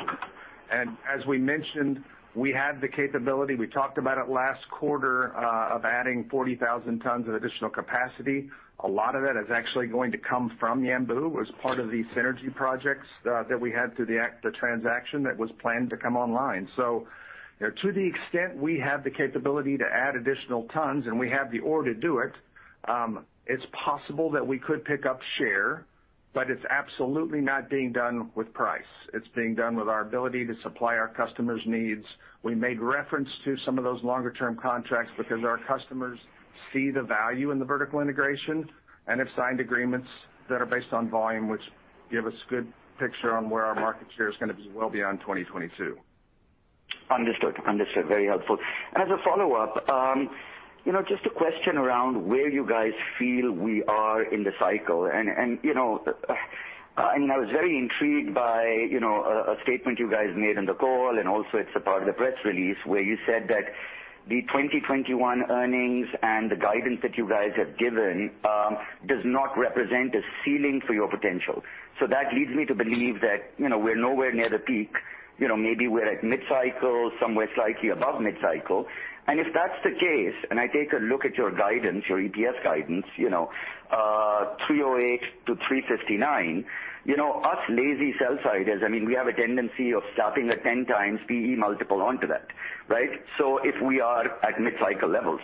We mentioned, we talked about it last quarter, of adding 40,000 tons of additional capacity. A lot of that is actually going to come from Yanbu as part of the synergy projects that we had through the acquisition, the transaction that was planned to come online. To the extent we have the capability to add additional tons and we have the ore to do it's possible that we could pick up share, but it's absolutely not being done with price. It's being done with our ability to supply our customers' needs. We made reference to some of those longer term contracts because our customers see the value in the vertical integration and have signed agreements that are based on volume, which give us good picture on where our market share is gonna be well beyond 2022. Understood. Very helpful. As a follow-up, you know, just a question around where you guys feel we are in the cycle. I mean, I was very intrigued by, you know, a statement you guys made on the call, and also it's a part of the press release, where you said that the 2021 earnings and the guidance that you guys have given does not represent a ceiling for your potential. That leads me to believe that, you know, we're nowhere near the peak. You know, maybe we're at mid-cycle, somewhere slightly above mid-cycle. If that's the case, and I take a look at your guidance, your EPS guidance, you know, $3.08-$3.59, you know, us lazy sell-siders, I mean, we have a tendency of stopping at 10x PE multiple onto that, right? If we are at mid-cycle levels.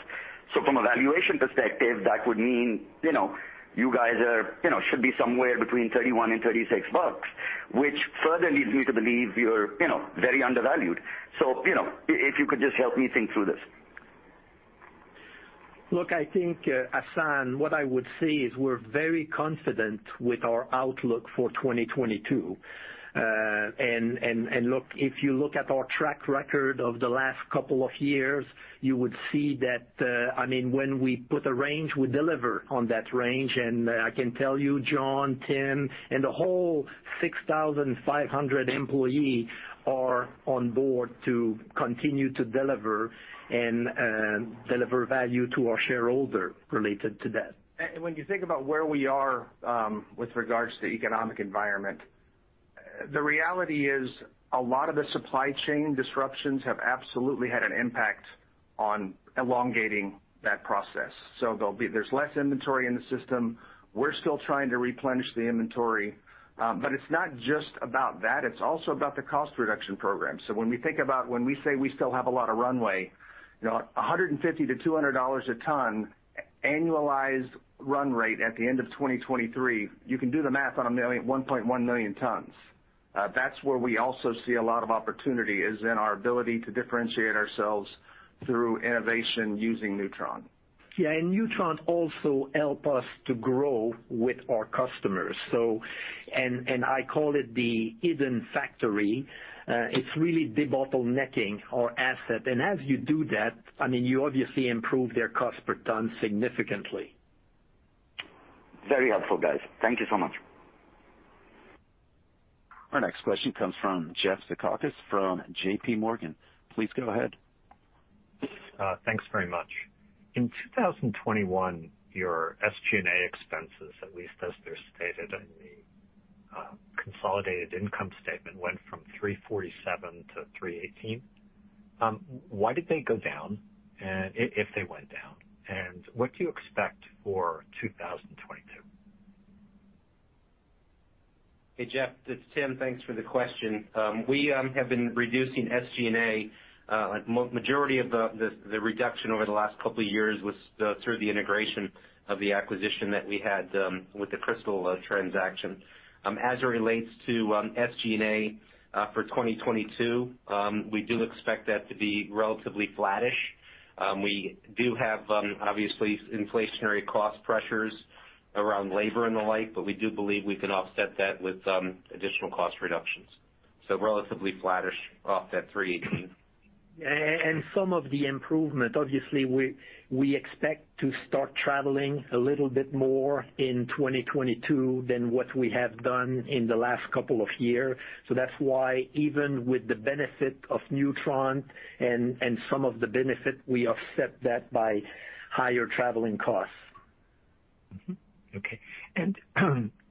From a valuation perspective, that would mean, you know, you guys are, you know, should be somewhere between $31-$36, which further leads me to believe you're, you know, very undervalued. If you could just help me think through this. Look, I think, Hassan, what I would say is we're very confident with our outlook for 2022. Look, if you look at our track record over the last couple of years, you would see that, I mean, when we put a range, we deliver on that range. I can tell you, John, Tim, and the whole 6,500 employees are on board to continue to deliver and deliver value to our shareholders related to that. When you think about where we are, with regards to economic environment, the reality is a lot of the supply chain disruptions have absolutely had an impact on elongating that process. There'll be less inventory in the system. We're still trying to replenish the inventory. It's not just about that, it's also about the cost reduction program. When we think about when we say we still have a lot of runway, you know, $150-$200 a ton annualized run rate at the end of 2023, you can do the math on 1 million, 1.1 million tons. That's where we also see a lot of opportunity, is in our ability to differentiate ourselves through innovation using newTRON. Yeah, newTRON also help us to grow with our customers. I call it the hidden factory, it's really debottlenecking our asset. As you do that, I mean, you obviously improve their cost per ton significantly. Very helpful, guys. Thank you so much. Our next question comes from Jeffrey Zekauskas from JPMorgan. Please go ahead. Thanks very much. In 2021, your SG&A expenses, at least as they're stated in the consolidated income statement, went from $347-$318. Why did they go down? If they went down, what do you expect for 2022? Hey, Jeff, it's Tim. Thanks for the question. We have been reducing SG&A. Majority of the reduction over the last couple of years was through the integration of the acquisition that we had with the Cristal transaction. As it relates to SG&A for 2022, we do expect that to be relatively flattish. We do have obviously inflationary cost pressures around labor and the like, but we do believe we can offset that with additional cost reductions. Relatively flattish. $318 million. Some of the improvement, obviously, we expect to start traveling a little bit more in 2022 than what we have done in the last couple of years. That's why even with the benefit of newTRON and some of the benefit, we offset that by higher traveling costs. Okay.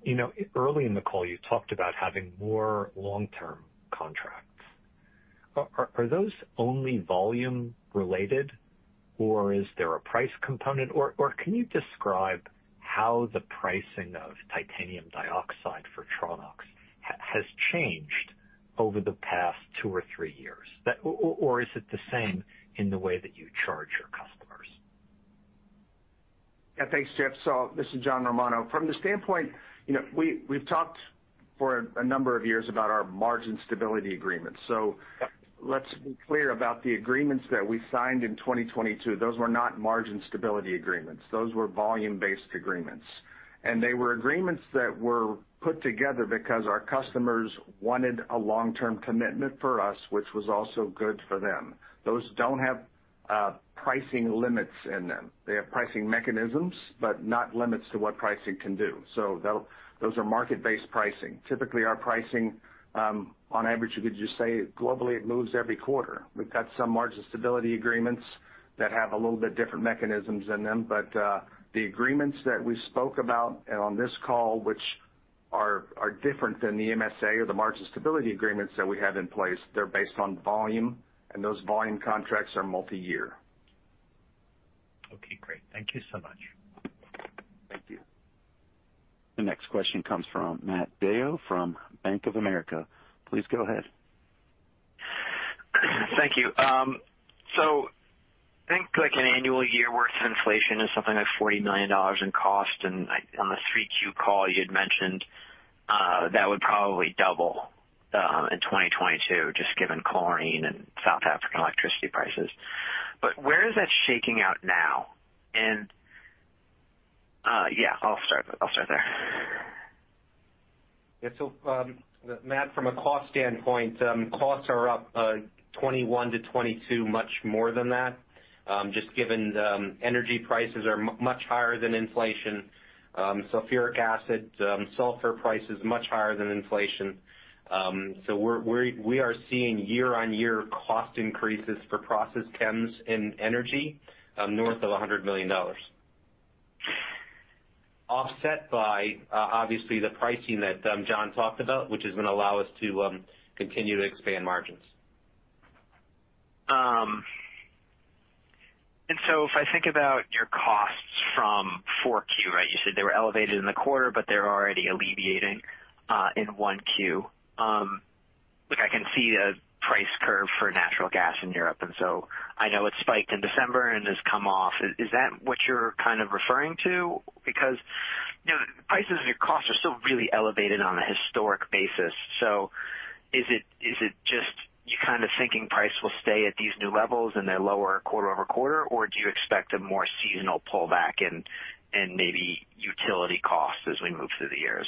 You know, early in the call, you talked about having more long-term contracts. Are those only volume related, or is there a price component? Or can you describe how the pricing of titanium dioxide for Tronox has changed over the past two or three years? Or is it the same in the way that you charge your customers? Yeah, thanks, Jeff. This is John Romano. From the standpoint, you know, we've talked for a number of years about our Margin Stability Agreement. Let's be clear about the agreements that we signed in 2022. Those were not Margin Stability Agreements. Those were volume-based agreements. They were agreements that were put together because our customers wanted a long-term commitment for us, which was also good for them. Those don't have pricing limits in them. They have pricing mechanisms, but not limits to what pricing can do. Those are market-based pricing. Typically, our pricing, on average, you could just say globally, it moves every quarter. We've got some Margin Stability Agreements that have a little bit different mechanisms in them. The agreements that we spoke about on this call, which are different than the MSA or the margin stability agreements that we have in place, they're based on volume, and those volume contracts are multi-year. Okay, great. Thank you so much. Thank you. The next question comes from Matthew DeYoe from Bank of America. Please go ahead. Thank you. So I think like an annual year worth of inflation is something like $40 million in cost. On the 3Q call, you'd mentioned that would probably double in 2022, just given chlorine and South African electricity prices. Where is that shaking out now? Yeah, I'll start there. Yeah. Matt, from a cost standpoint, costs are up 21%-22%, much more than that, just given the energy prices are much higher than inflation. Sulfuric acid, sulfur price is much higher than inflation. We are seeing year-on-year cost increases for process chems in energy, north of $100 million. Offset by obviously the pricing that John talked about, which is gonna allow us to continue to expand margins. If I think about your costs from 4Q, right? You said they were elevated in the quarter, but they're already alleviating in 1Q. Look, I can see the price curve for natural gas in Europe, and so I know it spiked in December and has come off. Is that what you're kind of referring to? Because, you know, prices and your costs are still really elevated on a historic basis. Is it just you kind of thinking price will stay at these new levels and they're lower quarter-over-quarter? Or do you expect a more seasonal pullback in maybe utility costs as we move through the years?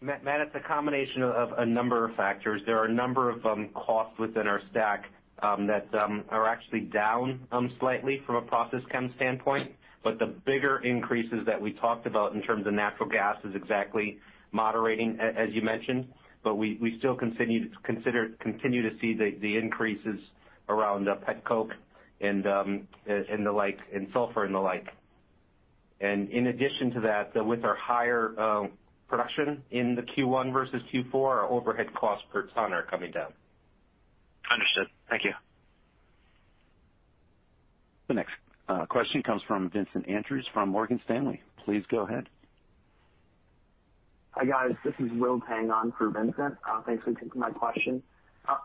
Matt, it's a combination of a number of factors. There are a number of costs within our stack that are actually down slightly from a process chem standpoint. The bigger increases that we talked about in terms of natural gas is exactly moderating, as you mentioned. We still continue to see the increases around the petcoke and the like, and sulfur and the like. In addition to that, with our higher production in the Q1 versus Q4, our overhead costs per ton are coming down. Understood. Thank you. The next question comes from Vincent Andrews from Morgan Stanley. Please go ahead. Hi, guys. This is Will Tang on for Vincent. Thanks for taking my question.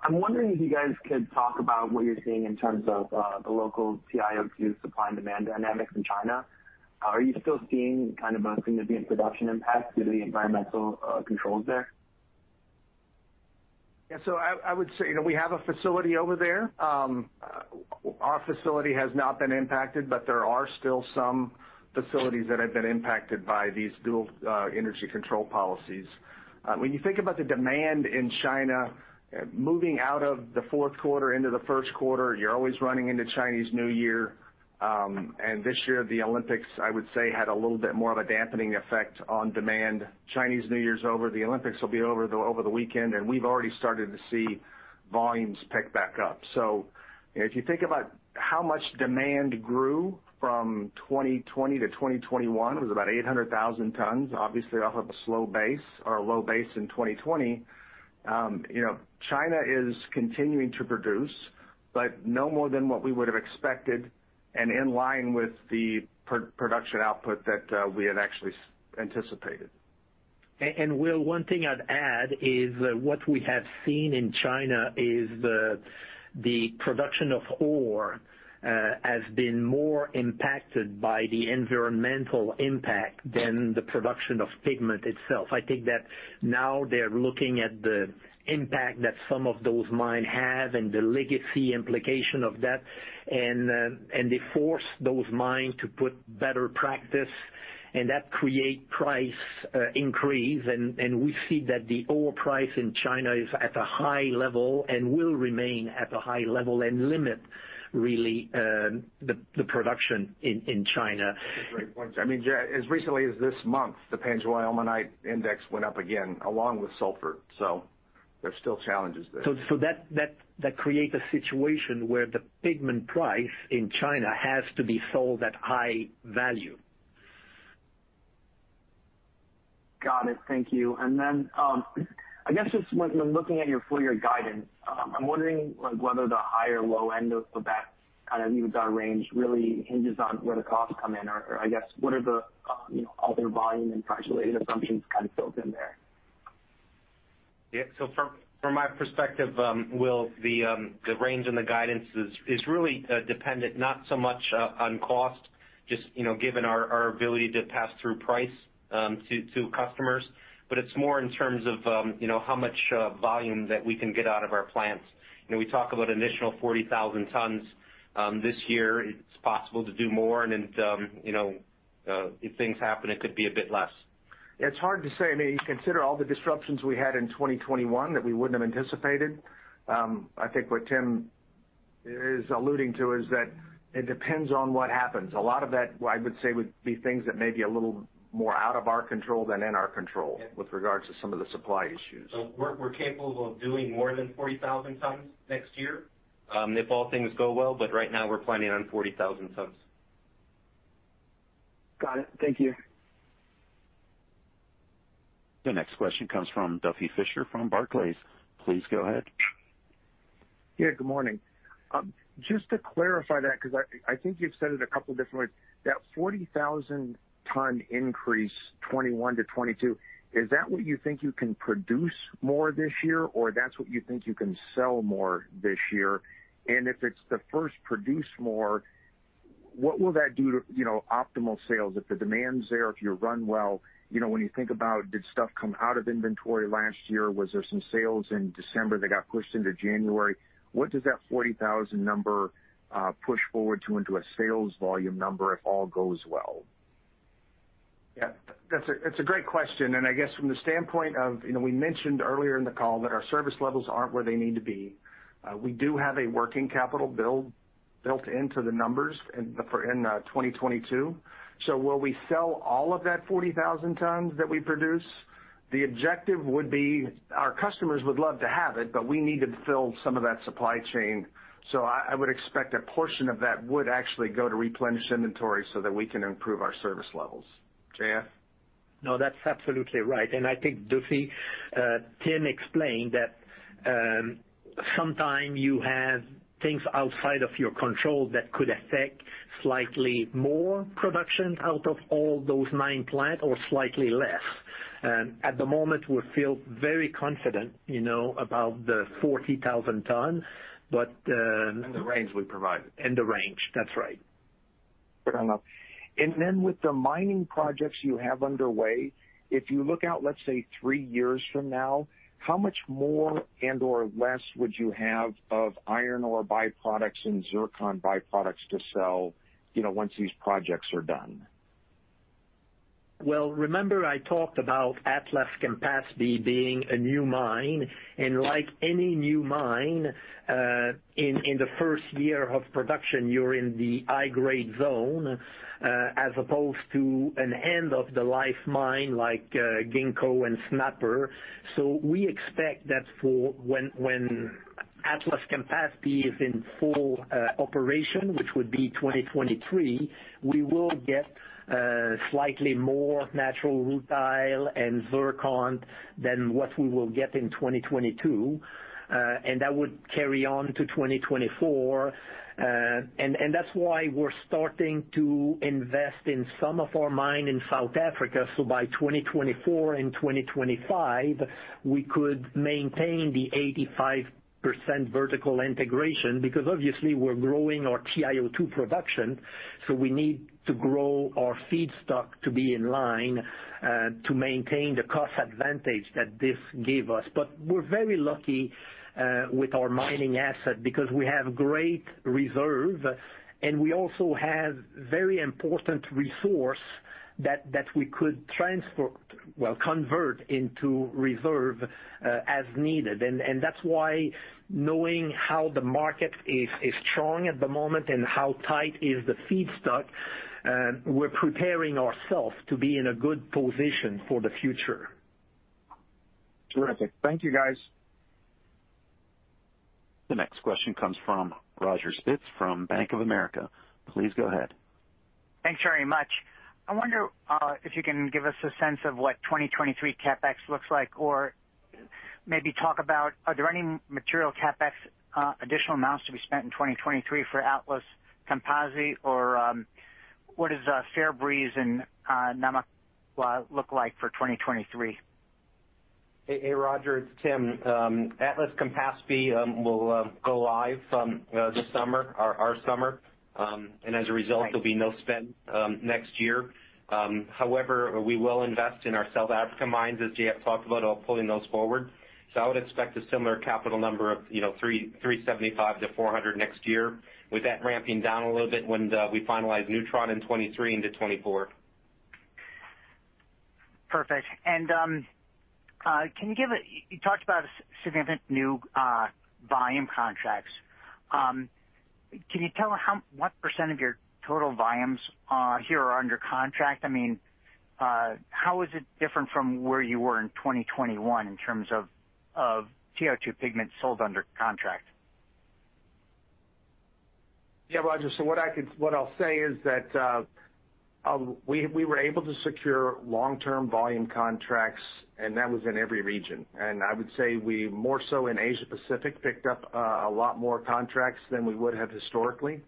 I'm wondering if you guys could talk about what you're seeing in terms of the local TiO2 supply and demand dynamics in China. Are you still seeing kind of a significant production impact due to the environmental controls there? Yeah. I would say, you know, we have a facility over there. Our facility has not been impacted, but there are still some facilities that have been impacted by these dual energy control policies. When you think about the demand in China, moving out of the fourth quarter into the first quarter, you're always running into Chinese New Year. This year, the Olympics, I would say, had a little bit more of a dampening effect on demand. Chinese New Year's over, the Olympics will be over the weekend, and we've already started to see volumes pick back up. If you think about how much demand grew from 2020 to 2021, it was about 800,000 tons, obviously off of a slow base or a low base in 2020. You know, China is continuing to produce, but no more than what we would have expected and in line with the projected production output that we had actually anticipated. Will, one thing I'd add is what we have seen in China is the production of ore has been more impacted by the environmental impact than the production of pigment itself. I think that now they're looking at the impact that some of those mines have and the legacy implication of that, and they force those mines to put better practice, and that create price increase. We see that the ore price in China is at a high level and will remain at a high level and limit really the production in China. That's a great point. I mean, as recently as this month, the Panzhihua Ilmenite Index went up again along with sulfur. There's still challenges there. That creates a situation where the pigment price in China has to be sold at high value. Got it. Thank you. I guess just when looking at your full year guidance, I'm wondering like whether the high or low end of the BAT kind of EBITDA range really hinges on where the costs come in or I guess what are the, you know, other volume and price related assumptions kind of built in there? Yeah. From my perspective, Will, the range and the guidance is really dependent not so much on cost, just, you know, given our ability to pass through price to customers, but it's more in terms of, you know, how much volume that we can get out of our plants. You know, we talk about initial 40,000 tons this year. It's possible to do more and then, you know, if things happen, it could be a bit less. It's hard to say. I mean, you consider all the disruptions we had in 2021 that we wouldn't have anticipated. I think what Tim is alluding to is that it depends on what happens. A lot of that, well, I would say, would be things that may be a little more out of our control than in our control. Yeah. With regards to some of the supply issues. We're capable of doing more than 40,000 tons next year? If all things go well, but right now we're planning on 40,000 tons. Got it. Thank you. The next question comes from Duffy Fischer from Barclays. Please go ahead. Yeah, good morning. Just to clarify that, 'cause I think you've said it a couple different ways, that 40,000-ton increase, 2021 to 2022, is that what you think you can produce more this year, or that's what you think you can sell more this year? If it's the first, produce more, what will that do to, you know, optimal sales if the demand's there, if you run well? You know, when you think about did stuff come out of inventory last year, was there some sales in December that got pushed into January? What does that 40,000 number push forward to into a sales volume number if all goes well? Yeah. That's a great question. I guess from the standpoint of, you know, we mentioned earlier in the call that our service levels aren't where they need to be. We do have a working capital build built into the numbers in 2022. So will we sell all of that 40,000 tons that we produce? The objective would be our customers would love to have it, but we need to fill some of that supply chain. So I would expect a portion of that would actually go to replenish inventory so that we can improve our service levels. JF? No, that's absolutely right. I think, Duffy, Tim explained that, sometimes you have things outside of your control that could affect slightly more production out of all those nine plants or slightly less. At the moment, we feel very confident, you know, about the 40,000 ton. In the range we provided. In the range, that's right. Fair enough. With the mining projects you have underway, if you look out, let's say, three years from now, how much more and/or less would you have of iron ore byproducts and zircon byproducts to sell, you know, once these projects are done? Well, remember I talked about Atlas-Campaspe being a new mine, and like any new mine, in the first year of production you're in the high grade zone, as opposed to an end-of-the-life mine like Ginkgo and Snapper. We expect that for when Atlas-Campaspe is in full operation, which would be 2023, we will get slightly more natural rutile and zircon than what we will get in 2022. That would carry on to 2024. That's why we're starting to invest in some of our mines in South Africa, so by 2024 and 2025, we could maintain the 85% vertical integration because obviously we're growing our TiO2 production, so we need to grow our feedstock to be in line, to maintain the cost advantage that this give us. We're very lucky with our mining asset because we have great reserves, and we also have very important resources that we could convert into reserves as needed. That's why knowing how the market is strong at the moment and how tight the feedstock is, we're preparing ourselves to be in a good position for the future. Terrific. Thank you, guys. The next question comes from Roger Spitz from Bank of America. Please go ahead. Thanks very much. I wonder if you can give us a sense of what 2023 CapEx looks like, or maybe talk about are there any material CapEx additional amounts to be spent in 2023 for Atlas-Campaspe? Or, what does Fairbreeze and Namakwa look like for 2023? Hey, Roger, it's Tim. Atlas-Campaspe will go live this summer, our summer. As a result- Right. There'll be no spend next year. However, we will invest in our South African mines, as JF talked about, of pulling those forward. I would expect a similar capital number of $375 million-$400 million next year, with that ramping down a little bit when we finalize newTRON in 2023 into 2024. Perfect. You talked about a significant new volume contracts. Can you tell what % of your total volumes are here or under contract? I mean, how is it different from where you were in 2021 in terms of TiO2 pigment sold under contract? Yeah, Roger, what I'll say is that we were able to secure long-term volume contracts, and that was in every region. I would say we more so in Asia Pacific picked up a lot more contracts than we would have historically.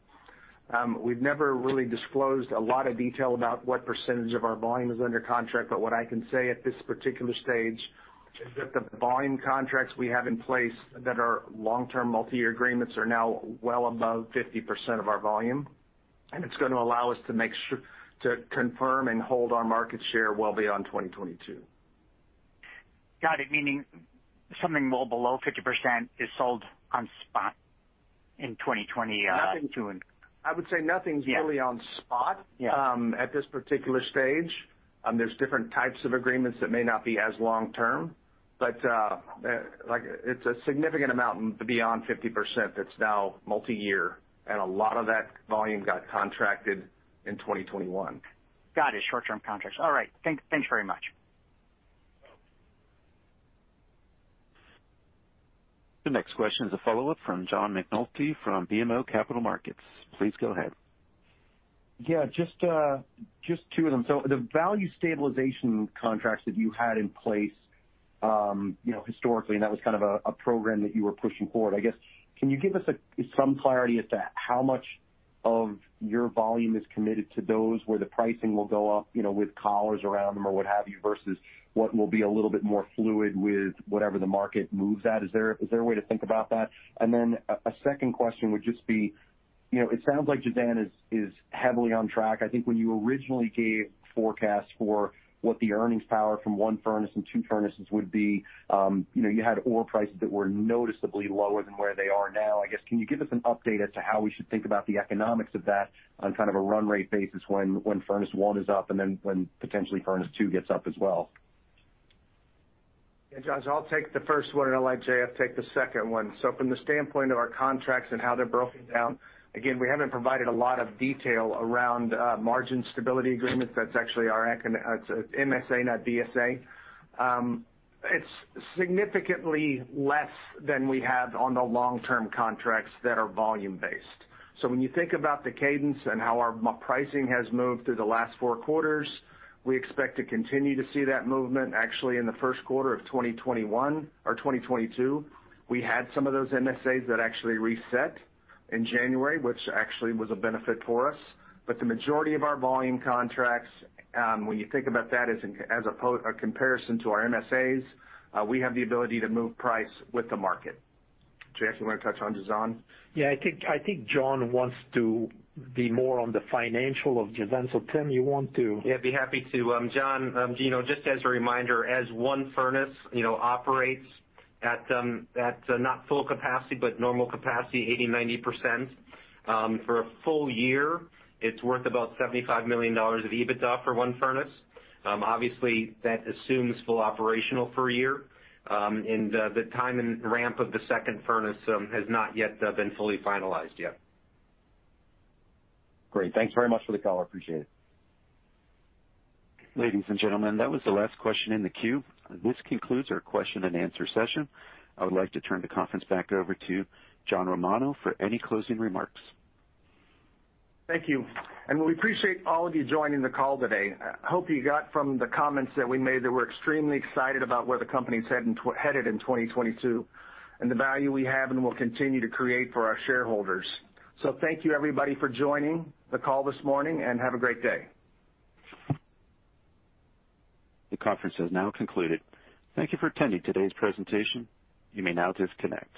We've never really disclosed a lot of detail about what percentage of our volume is under contract, but what I can say at this particular stage is that the volume contracts we have in place that are long-term multi-year agreements are now well above 50% of our volume, and it's gonna allow us to confirm and hold our market share well beyond 2022. Got it. Meaning something well below 50% is sold on spot in 2022 and- Nothing. I would say nothing. Yeah. really on spot Yeah. at this particular stage. There's different types of agreements that may not be as long term, but, like it's a significant amount beyond 50% that's now multiyear, and a lot of that volume got contracted in 2021. Got it. Short-term contracts. All right. Thanks very much. The next question is a follow-up from John McNulty from BMO Capital Markets. Please go ahead. Yeah, just two of them. The value stabilization contracts that you had in place, you know, historically, and that was kind of a program that you were pushing forward, I guess. Can you give us some clarity as to how much of your volume is committed to those where the pricing will go up, you know, with collars around them or what have you, versus what will be a little bit more fluid with whatever the market moves at? Is there a way to think about that? A second question would just be, you know, it sounds like Jazan is heavily on track. I think when you originally gave forecasts for what the earnings power from one furnace and two furnaces would be, you know, you had oil prices that were noticeably lower than where they are now. I guess, can you give us an update as to how we should think about the economics of that on kind of a run rate basis when furnace one is up and then when potentially furnace two gets up as well? Yeah, John, I'll take the first one, and I'll let JF take the second one. From the standpoint of our contracts and how they're broken down, again, we haven't provided a lot of detail around margin stability agreements. That's actually our MSA. It's significantly less than we had on the long-term contracts that are volume-based. When you think about the cadence and how our pricing has moved through the last four quarters, we expect to continue to see that movement. Actually, in the first quarter of 2021 or 2022, we had some of those MSAs that actually reset in January, which actually was a benefit for us. The majority of our volume contracts, when you think about that as a comparison to our MSAs, we have the ability to move price with the market. JF, you wanna touch on Jazan? Yeah, I think John wants to be more on the financial of Jazan. Tim, you want to? Yeah, I'd be happy to. John, you know, just as a reminder, as one furnace, you know, operates at, not full capacity, but normal capacity, 80%-90%, for a full year, it's worth about $75 million of EBITDA for one furnace. Obviously, that assumes fully operational for a year. The time and ramp of the second furnace has not yet been fully finalized yet. Great. Thanks very much for the call. Appreciate it. Ladies and gentlemen, that was the last question in the queue. This concludes our question and answer session. I would like to turn the conference back over to John Romano for any closing remarks. Thank you. We appreciate all of you joining the call today. I hope you got from the comments that we made that we're extremely excited about where the company's headed in 2022 and the value we have and will continue to create for our shareholders. Thank you, everybody, for joining the call this morning, and have a great day. The conference has now concluded. Thank you for attending today's presentation. You may now disconnect.